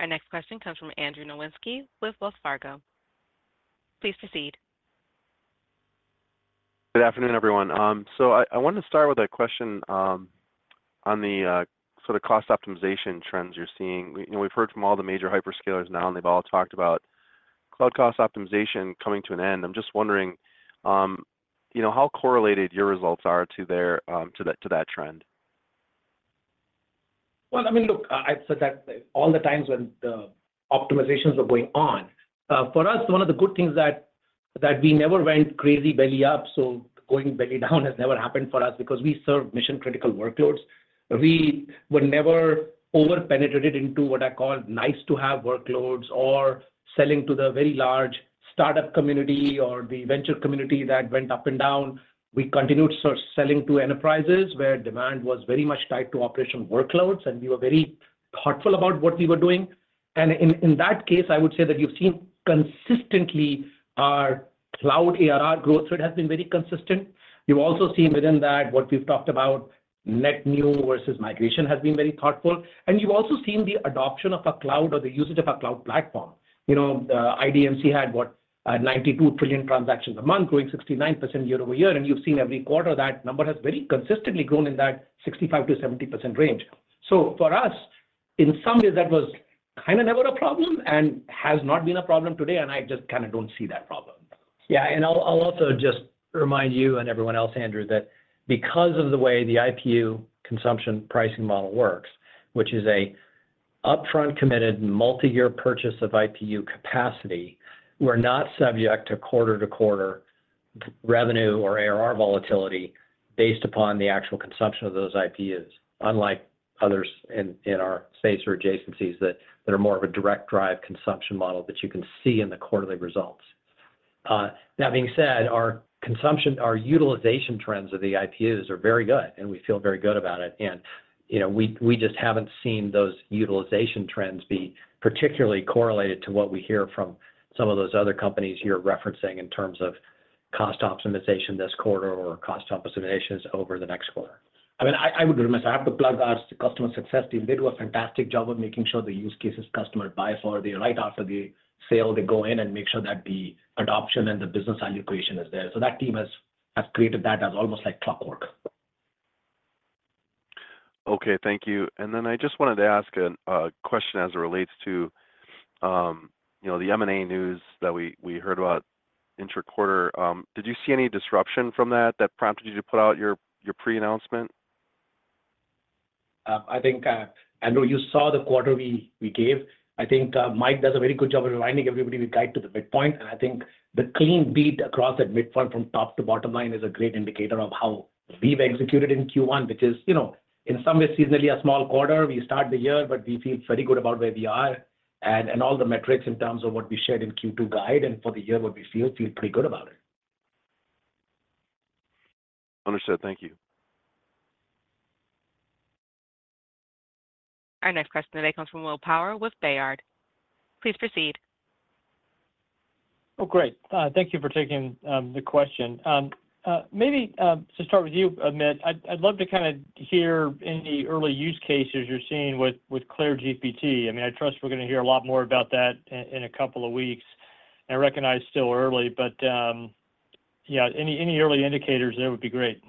Our next question comes from Andrew Nowinski with Wells Fargo. Please proceed. Good afternoon, everyone. So I wanted to start with a question on the sort of cost optimization trends you're seeing. You know, we've heard from all the major hyperscalers now, and they've all talked about cloud cost optimization coming to an end. I'm just wondering, you know, how correlated your results are to their, to that trend? Well, I mean, look, I've said that all the times when the optimizations are going on for us, one of the good things that we never went crazy belly up, so going belly down has never happened for us because we serve mission-critical workloads. We were never over-penetrated into what I call nice-to-have workloads or selling to the very large start-up community or the venture community that went up and down. We continued sort of selling to enterprises, where demand was very much tied to operational workloads, and we were very thoughtful about what we were doing. In that case, I would say that you've seen consistently our cloud ARR growth rate has been very consistent. You've also seen within that, what we've talked about, net new versus migration, has been very thoughtful. And you've also seen the adoption of a cloud or the usage of a cloud platform. You know, IDMC had what? 92 trillion transactions a month, growing 69% year-over-year, and you've seen every quarter that number has very consistently grown in that 65%-70% range. So for us, in some ways, that was kind of never a problem and has not been a problem today, and I just kind of don't see that problem. Yeah, and I'll also just remind you and everyone else, Andrew, that because of the way the IPU consumption pricing model works, which is an upfront, committed, multi-year purchase of IPU capacity, we're not subject to quarter-to-quarter revenue or ARR volatility based upon the actual consumption of those IPUs. Unlike others in our space or adjacencies that are more of a direct drive consumption model that you can see in the quarterly results. That being said, our consumption, our utilization trends of the IPUs are very good, and we feel very good about it. And, you know, we just haven't seen those utilization trends be particularly correlated to what we hear from some of those other companies you're referencing in terms of cost optimization this quarter or cost optimizations over the next quarter. I mean, I, I would remind us, I have to plug our customer success team. They do a fantastic job of making sure the use cases customers buy for, right after the sale, they go in and make sure that the adoption and the business value creation is there. So that team has, has created that as almost like clockwork. Okay, thank you. And then I just wanted to ask a question as it relates to, you know, the M&A news that we heard about inter-quarter. Did you see any disruption from that that prompted you to put out your pre-announcement? I think, Andrew, you saw the quarter we gave. I think, Mike does a very good job of reminding everybody we guide to the midpoint, and I think the clean beat across that midpoint from top to bottom line is a great indicator of how we've executed in Q1, which is, you know, in some ways seasonally a small quarter. We start the year, but we feel very good about where we are and all the metrics in terms of what we shared in Q2 guide and for the year, what we feel pretty good about it. Understood. Thank you. Our next question today comes from Will Power with Baird. Please proceed. Oh, great. Thank you for taking the question. Maybe to start with you, Amit, I'd, I'd love to kind of hear any early use cases you're seeing with CLAIRE GPT. I mean, I trust we're going to hear a lot more about that in a couple of weeks. I recognize it's still early, but yeah, any early indicators there would be great.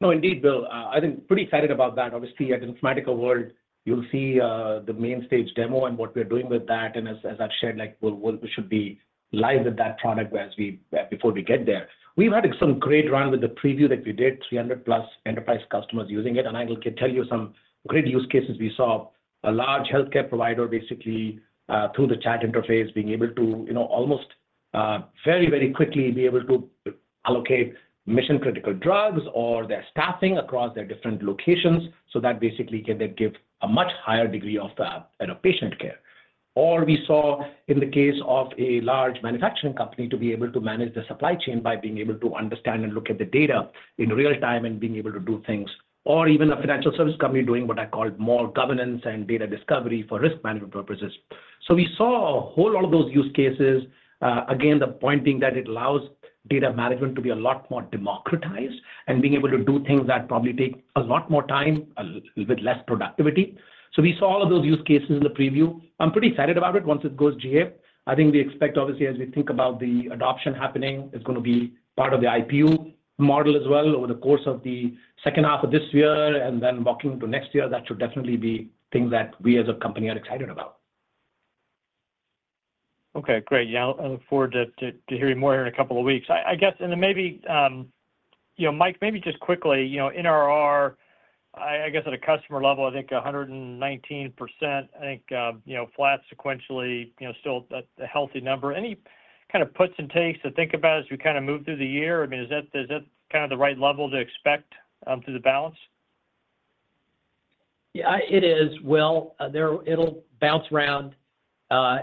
No, indeed, Will, I think pretty excited about that. Obviously, at Informatica World, you'll see, the main stage demo and what we're doing with that. And as I've shared, like, we should be live with that product as we before we get there. We've had some great run with the preview that we did, 300+ enterprise customers using it, and I can tell you some great use cases. We saw a large healthcare provider basically, through the chat interface, being able to, you know, almost, very, very quickly be able to allocate mission-critical drugs or their staffing across their different locations. So that basically can then give a much higher degree of, patient care. Or we saw in the case of a large manufacturing company, to be able to manage the supply chain by being able to understand and look at the data in real time and being able to do things, or even a financial service company doing what I call more governance and data discovery for risk management purposes. So we saw a whole lot of those use cases. Again, the point being that it allows data management to be a lot more democratized and being able to do things that probably take a lot more time, a little bit less productivity. So we saw all of those use cases in the preview. I'm pretty excited about it once it goes GA. I think we expect, obviously, as we think about the adoption happening, it's going to be part of the IPU model as well over the course of the second half of this year and then walking into next year. That should definitely be things that we as a company are excited about. Okay, great. Yeah, I look forward to hearing more here in a couple of weeks. I guess, and then maybe, you know, Mike, maybe just quickly, you know, NRR, I guess at a customer level, I think 119%, I think, you know, flat sequentially, you know, still a healthy number. Any kind of puts and takes to think about as we kind of move through the year? I mean, is that kind of the right level to expect through the balance? Yeah, it is. Well, it'll bounce around.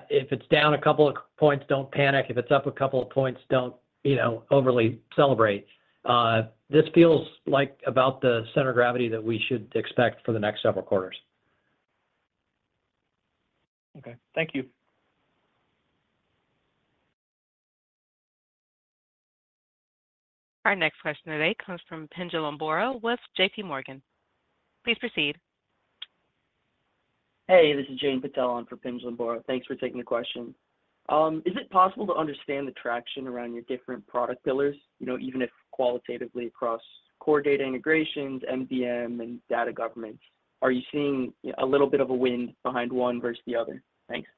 If it's down a couple of points, don't panic. If it's up a couple of points, don't, you know, overly celebrate. This feels like about the center of gravity that we should expect for the next several quarters. Okay. Thank you. Our next question today comes from Pinjalim Bora with J.P. Morgan. Please proceed. Hey, this is Jay Patel on for Pinjalim Bora. Thanks for taking the question. Is it possible to understand the traction around your different product pillars, you know, even if qualitatively across core data integrations, MDM, and data governance? Are you seeing a little bit of a wind behind one versus the other? Thanks.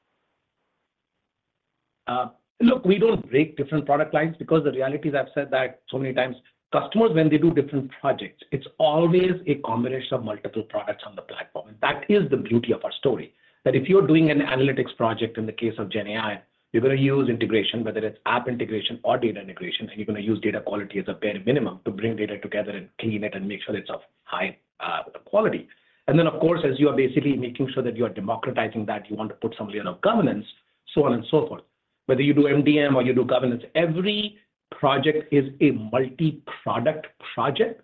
Look, we don't break different product lines because the reality is, I've said that so many times, customers, when they do different projects, it's always a combination of multiple products on the platform. That is the beauty of our story, that if you are doing an analytics project, in the case of GenAI, you're going to use integration, whether it's app integration or data integration, and you're going to use data quality as a bare minimum to bring data together and clean it and make sure it's of high quality. And then, of course, as you are basically making sure that you are democratizing that, you want to put some layer of governance, so on and so forth. Whether you do MDM or you do governance, every project is a multi-product project.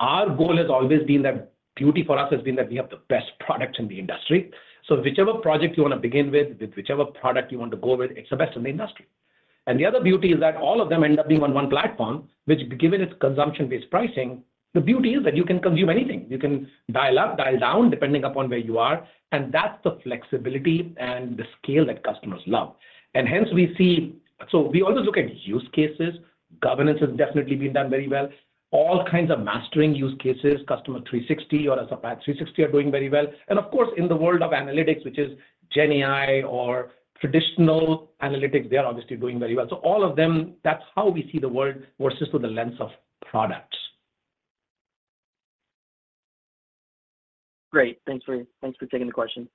Our goal has always been that beauty for us has been that we have the best product in the industry. So whichever project you want to begin with, whichever product you want to go with, it's the best in the industry. And the other beauty is that all of them end up being on one platform, which, given its consumption-based pricing, the beauty is that you can consume anything. You can dial up, dial down, depending upon where you are, and that's the flexibility and the scale that customers love. And hence we see... So we always look at use cases. Governance has definitely been done very well. All kinds of mastering use cases, Customer 360 or as a Supplier 360, are doing very well. And of course, in the world of analytics, which is GenAI or traditional analytics, they are obviously doing very well. All of them, that's how we see the world versus through the lens of product.... Great. Thanks for, thanks for taking the question.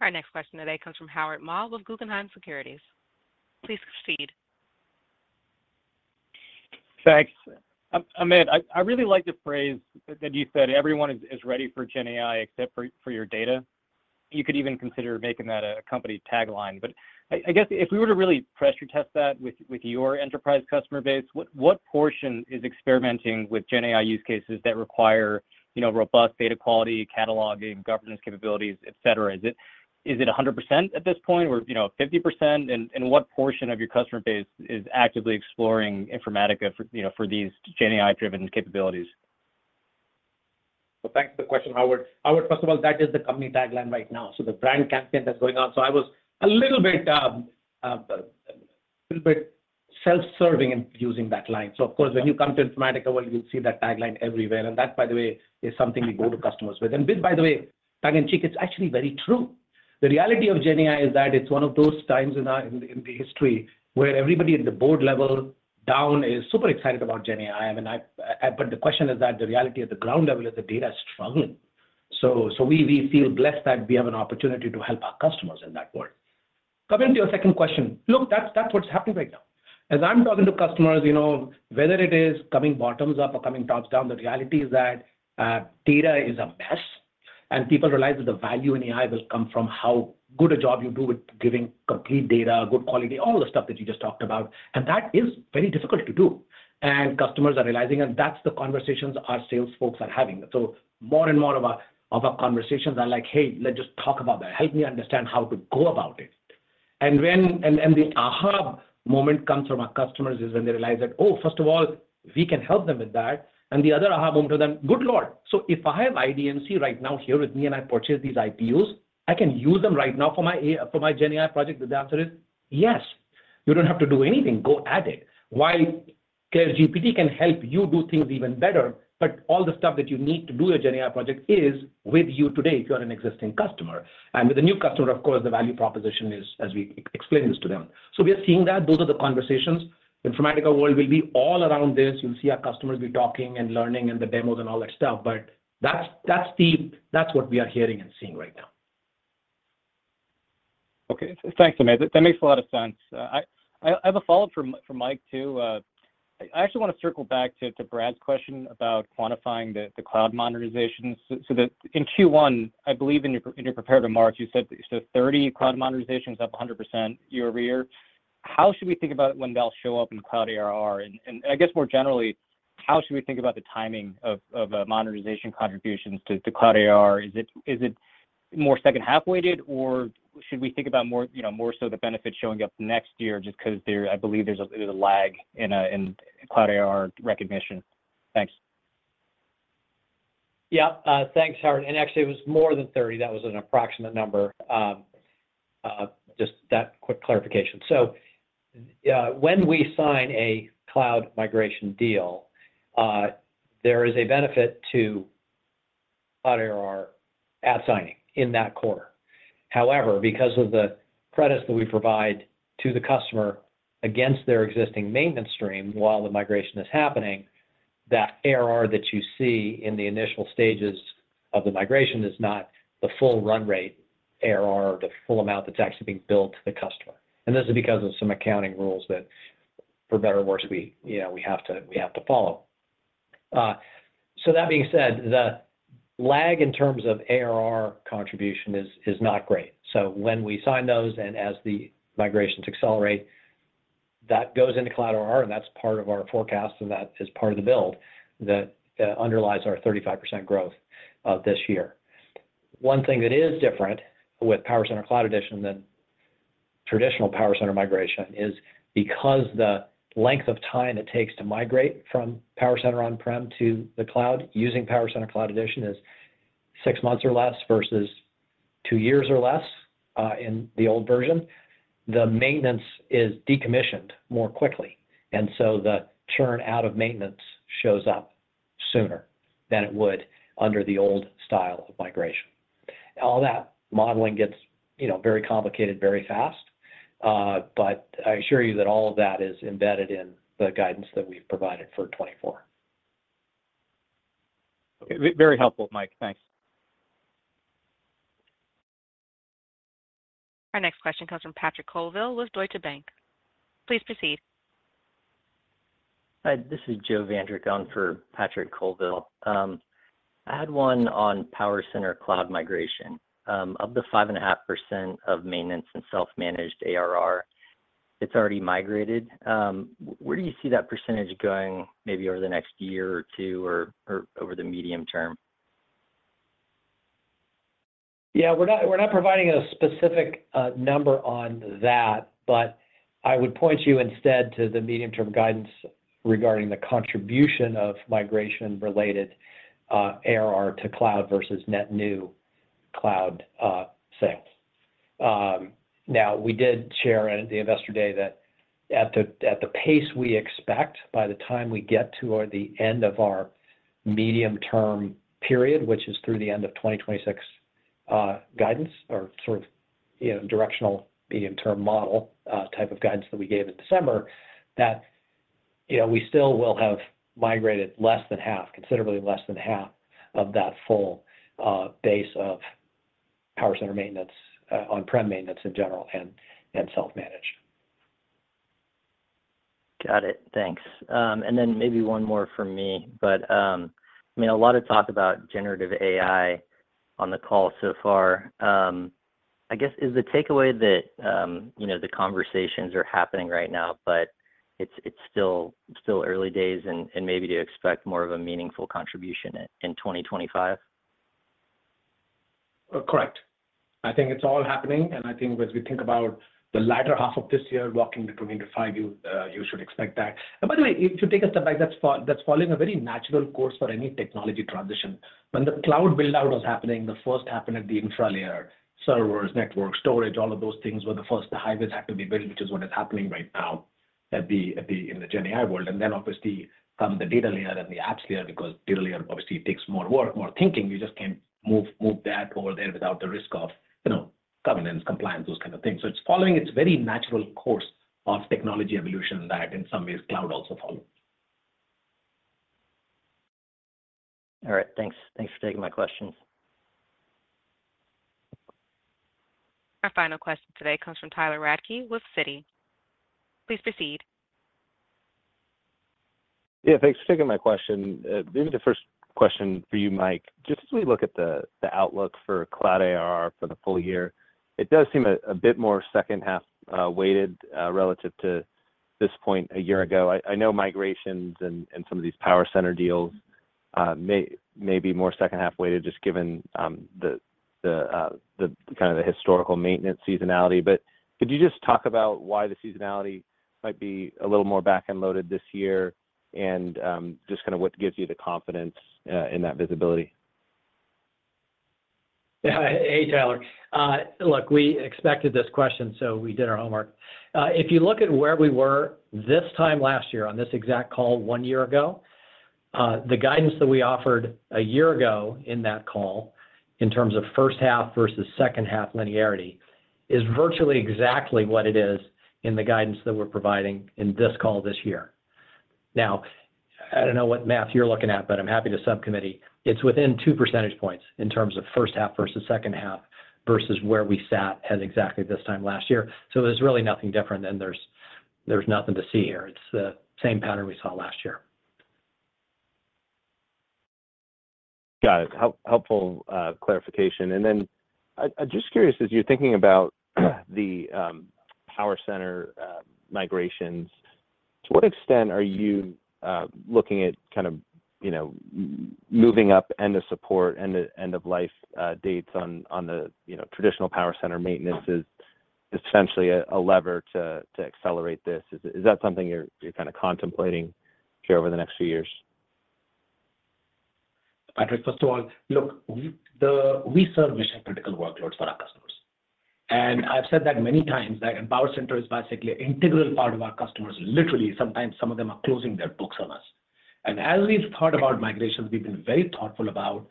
Our next question today comes from Howard Ma with Guggenheim Securities. Please proceed. Thanks. Amit, I really like the phrase that you said, "Everyone is ready for GenAI except for your data." You could even consider making that a company tagline. But I guess if we were to really pressure test that with your enterprise customer base, what portion is experimenting with GenAI use cases that require, you know, robust data quality, cataloging, governance capabilities, et cetera? Is it 100% at this point, or, you know, 50%? And what portion of your customer base is actively exploring Informatica for, you know, for these GenAI-driven capabilities? Well, thanks for the question, Howard. Howard, first of all, that is the company tagline right now, so the brand campaign that's going on. So I was a little bit self-serving in using that line. So of course, when you come to Informatica, well, you'll see that tagline everywhere, and that, by the way, is something we go to customers with. And, by the way, tongue-in-cheek, it's actually very true. The reality of GenAI is that it's one of those times in our history where everybody at the board level down is super excited about GenAI. I mean, but the question is that the reality at the ground level is the data is struggling. So we feel blessed that we have an opportunity to help our customers in that world. Coming to your second question, look, that's, that's what's happening right now. As I'm talking to customers, you know, whether it is coming bottoms up or coming tops down, the reality is that, data is a mess, and people realize that the value in AI will come from how good a job you do with giving complete data, good quality, all the stuff that you just talked about, and that is very difficult to do. And customers are realizing, and that's the conversations our sales folks are having. So more and more of our conversations are like, "Hey, let's just talk about that. Help me understand how to go about it." And, and the aha moment comes from our customers is when they realize that, oh, first of all, we can help them with that, and the other aha moment to them, "Good Lord! So if I have IDMC right now here with me, and I purchase these IPUs, I can use them right now for my AI, for my GenAI project the day after it? "Yes, you don't have to do anything. Go at it." While CLAIRE GPT can help you do things even better, but all the stuff that you need to do a GenAI project is with you today if you're an existing customer. And with a new customer, of course, the value proposition is as we explain this to them. So we are seeing that. Those are the conversations. Informatica World will be all around this. You'll see our customers be talking and learning, and the demos and all that stuff, but that's, that's the- that's what we are hearing and seeing right now. Okay. Thanks, Amit. That makes a lot of sense. I have a follow-up for Mike, too. I actually want to circle back to Brad's question about quantifying the cloud modernization. In Q1, I believe in your prepared remarks, you said 30 cloud modernizations, up 100% year-over-year. How should we think about it when they'll show up in cloud ARR? And I guess more generally, how should we think about the timing of modernization contributions to cloud ARR? Is it more second half-weighted, or should we think about, you know, more so the benefits showing up next year just 'cause there, I believe there's a lag in cloud ARR recognition? Thanks. Yeah. Thanks, Howard, and actually, it was more than 30. That was an approximate number. Just that quick clarification. So, when we sign a cloud migration deal, there is a benefit to other ARR at signing in that quarter. However, because of the credits that we provide to the customer against their existing maintenance stream while the migration is happening, that ARR that you see in the initial stages of the migration is not the full run rate ARR or the full amount that's actually being billed to the customer, and this is because of some accounting rules that, for better or worse, we, you know, we have to, we have to follow. So that being said, the lag in terms of ARR contribution is not great. So when we sign those, and as the migrations accelerate, that goes into cloud ARR, and that's part of our forecast, and that is part of the build that, underlies our 35% growth, this year. One thing that is different with PowerCenter Cloud Edition than traditional PowerCenter migration is because the length of time it takes to migrate from PowerCenter on-prem to the cloud, using PowerCenter Cloud Edition is six months or less versus two years or less, in the old version. The maintenance is decommissioned more quickly, and so the churn out of maintenance shows up sooner than it would under the old style of migration. All that modeling gets, you know, very complicated, very fast, but I assure you that all of that is embedded in the guidance that we've provided for 2024. Okay. Very helpful, Mike. Thanks. Our next question comes from Patrick Colville with Deutsche Bank. Please proceed. Hi, this is Joe Vandrick on for Patrick Colville. I had one on PowerCenter cloud migration. Of the 5.5% of maintenance and self-managed ARR that's already migrated, where do you see that percentage going, maybe over the next year or two, or, or over the medium term? Yeah, we're not, we're not providing a specific number on that, but I would point you instead to the medium-term guidance regarding the contribution of migration-related ARR to cloud versus net new cloud sales. Now, we did share at the Investor Day that at the pace we expect, by the time we get toward the end of our medium-term period, which is through the end of 2026, guidance or sort of, you know, directional medium-term model type of guidance that we gave in December, that, you know, we still will have migrated less than half, considerably less than half of that full base of PowerCenter maintenance, on-prem maintenance in general, and self-managed. Got it. Thanks. And then maybe one more from me. But, I mean, a lot of talk about generative AI on the call so far. I guess, is the takeaway that, you know, the conversations are happening right now, but it's, it's still, still early days and, and maybe to expect more of a meaningful contribution in, in 2025? Correct. I think it's all happening, and I think as we think about the latter half of this year, walking into 2025, you, you should expect that. And by the way, if you take a step back, that's following a very natural course for any technology transition. When the cloud build-out was happening, the first happened at the infra-layer, servers, network, storage, all of those things were the first hybrids had to be built, which is what is happening right now at the, in the GenAI world. And then obviously, come the data layer and the apps layer, because data layer obviously takes more work, more thinking. You just can't move that over there without the risk of, you know, governance, compliance, those kind of things. So it's following its very natural course of technology evolution that in some ways, cloud also followed. All right, thanks. Thanks for taking my questions. Our final question today comes from Tyler Radke with Citi. Please proceed. Yeah, thanks for taking my question. Maybe the first question for you, Mike, just as we look at the outlook for cloud ARR for the full year, it does seem a bit more second-half weighted relative to this point a year ago. I know migrations and some of these PowerCenter deals may be more second-half weighted, just given the kind of the historical maintenance seasonality, but could you just talk about why the seasonality might be a little more back-end loaded this year? And just kind of what gives you the confidence in that visibility? Yeah. Hey, Tyler. Look, we expected this question, so we did our homework. If you look at where we were this time last year on this exact call one year ago, the guidance that we offered a year ago in that call, in terms of first half versus second half linearity, is virtually exactly what it is in the guidance that we're providing in this call this year. Now, I don't know what math you're looking at, but I'm happy to substantiate. It's within two percentage points in terms of first half versus second half, versus where we sat at exactly this time last year. So there's really nothing different, and there's, there's nothing to see here. It's the same pattern we saw last year. Got it. Helpful clarification. And then I'm just curious, as you're thinking about the PowerCenter migrations, to what extent are you looking at kind of, you know, moving up end of support and the end of life dates on the, you know, traditional PowerCenter maintenances, essentially a lever to accelerate this? Is that something you're kind of contemplating here over the next few years? Patrick, first of all, look, we serve mission-critical workloads for our customers. And I've said that many times, that PowerCenter is basically an integral part of our customers. Literally, sometimes some of them are closing their books on us. And as we've thought about migrations, we've been very thoughtful about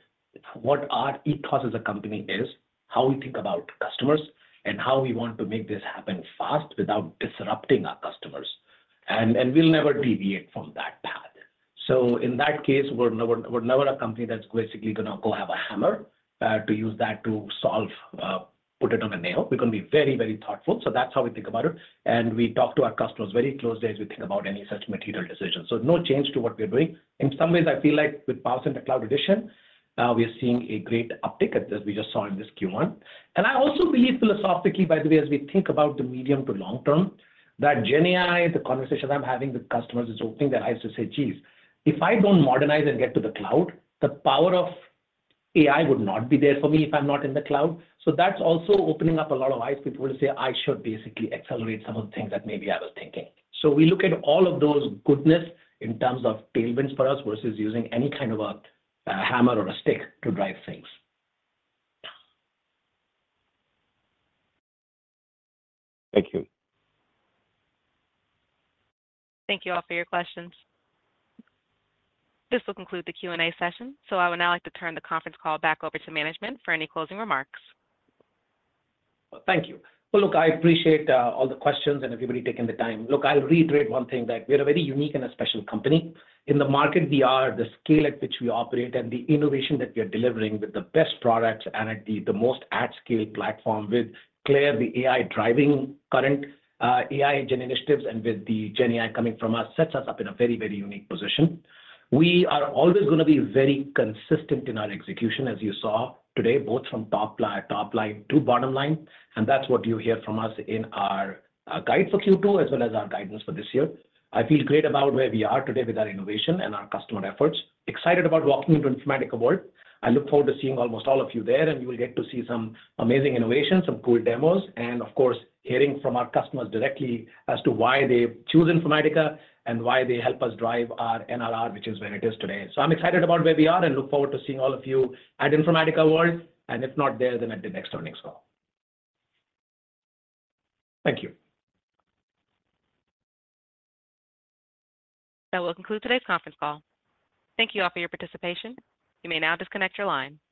what our ethos as a company is, how we think about customers, and how we want to make this happen fast without disrupting our customers. And we'll never deviate from that path. So in that case, we're never, we're never a company that's basically gonna go have a hammer to use that to solve put it on a nail. We're gonna be very, very thoughtful. So that's how we think about it. And we talk to our customers very closely as we think about any such material decisions. So no change to what we're doing. In some ways, I feel like with PowerCenter Cloud Edition, we are seeing a great uptick at this. We just saw in this Q1. And I also believe philosophically, by the way, as we think about the medium to long term, that GenAI, the conversations I'm having with customers, is opening their eyes to say, "Geez, if I don't modernize and get to the cloud, the power of AI would not be there for me if I'm not in the cloud." So that's also opening up a lot of eyes. People will say, "I should basically accelerate some of the things that maybe I was thinking." So we look at all of those goodness in terms of tailwinds for us, versus using any kind of a hammer or a stick to drive things. Thank you. Thank you all for your questions. This will conclude the Q&A session, so I would now like to turn the conference call back over to management for any closing remarks. Thank you. Well, look, I appreciate all the questions and everybody taking the time. Look, I'll reiterate one thing, that we are a very unique and a special company. In the market, we are the scale at which we operate and the innovation that we are delivering with the best products and at the, the most at-scale platform, with CLAIRE, the AI driving current AI engine initiatives, and with the GenAI coming from us, sets us up in a very, very unique position. We are always gonna be very consistent in our execution, as you saw today, both from top line, top line to bottom line, and that's what you'll hear from us in our guide for Q2, as well as our guidance for this year. I feel great about where we are today with our innovation and our customer efforts. Excited about walking into Informatica World. I look forward to seeing almost all of you there, and you will get to see some amazing innovations, some cool demos, and of course, hearing from our customers directly as to why they choose Informatica and why they help us drive our NRR, which is where it is today. I'm excited about where we are and look forward to seeing all of you at Informatica World, and if not there, then at the next earnings call. Thank you. That will conclude today's conference call. Thank you all for your participation. You may now disconnect your line.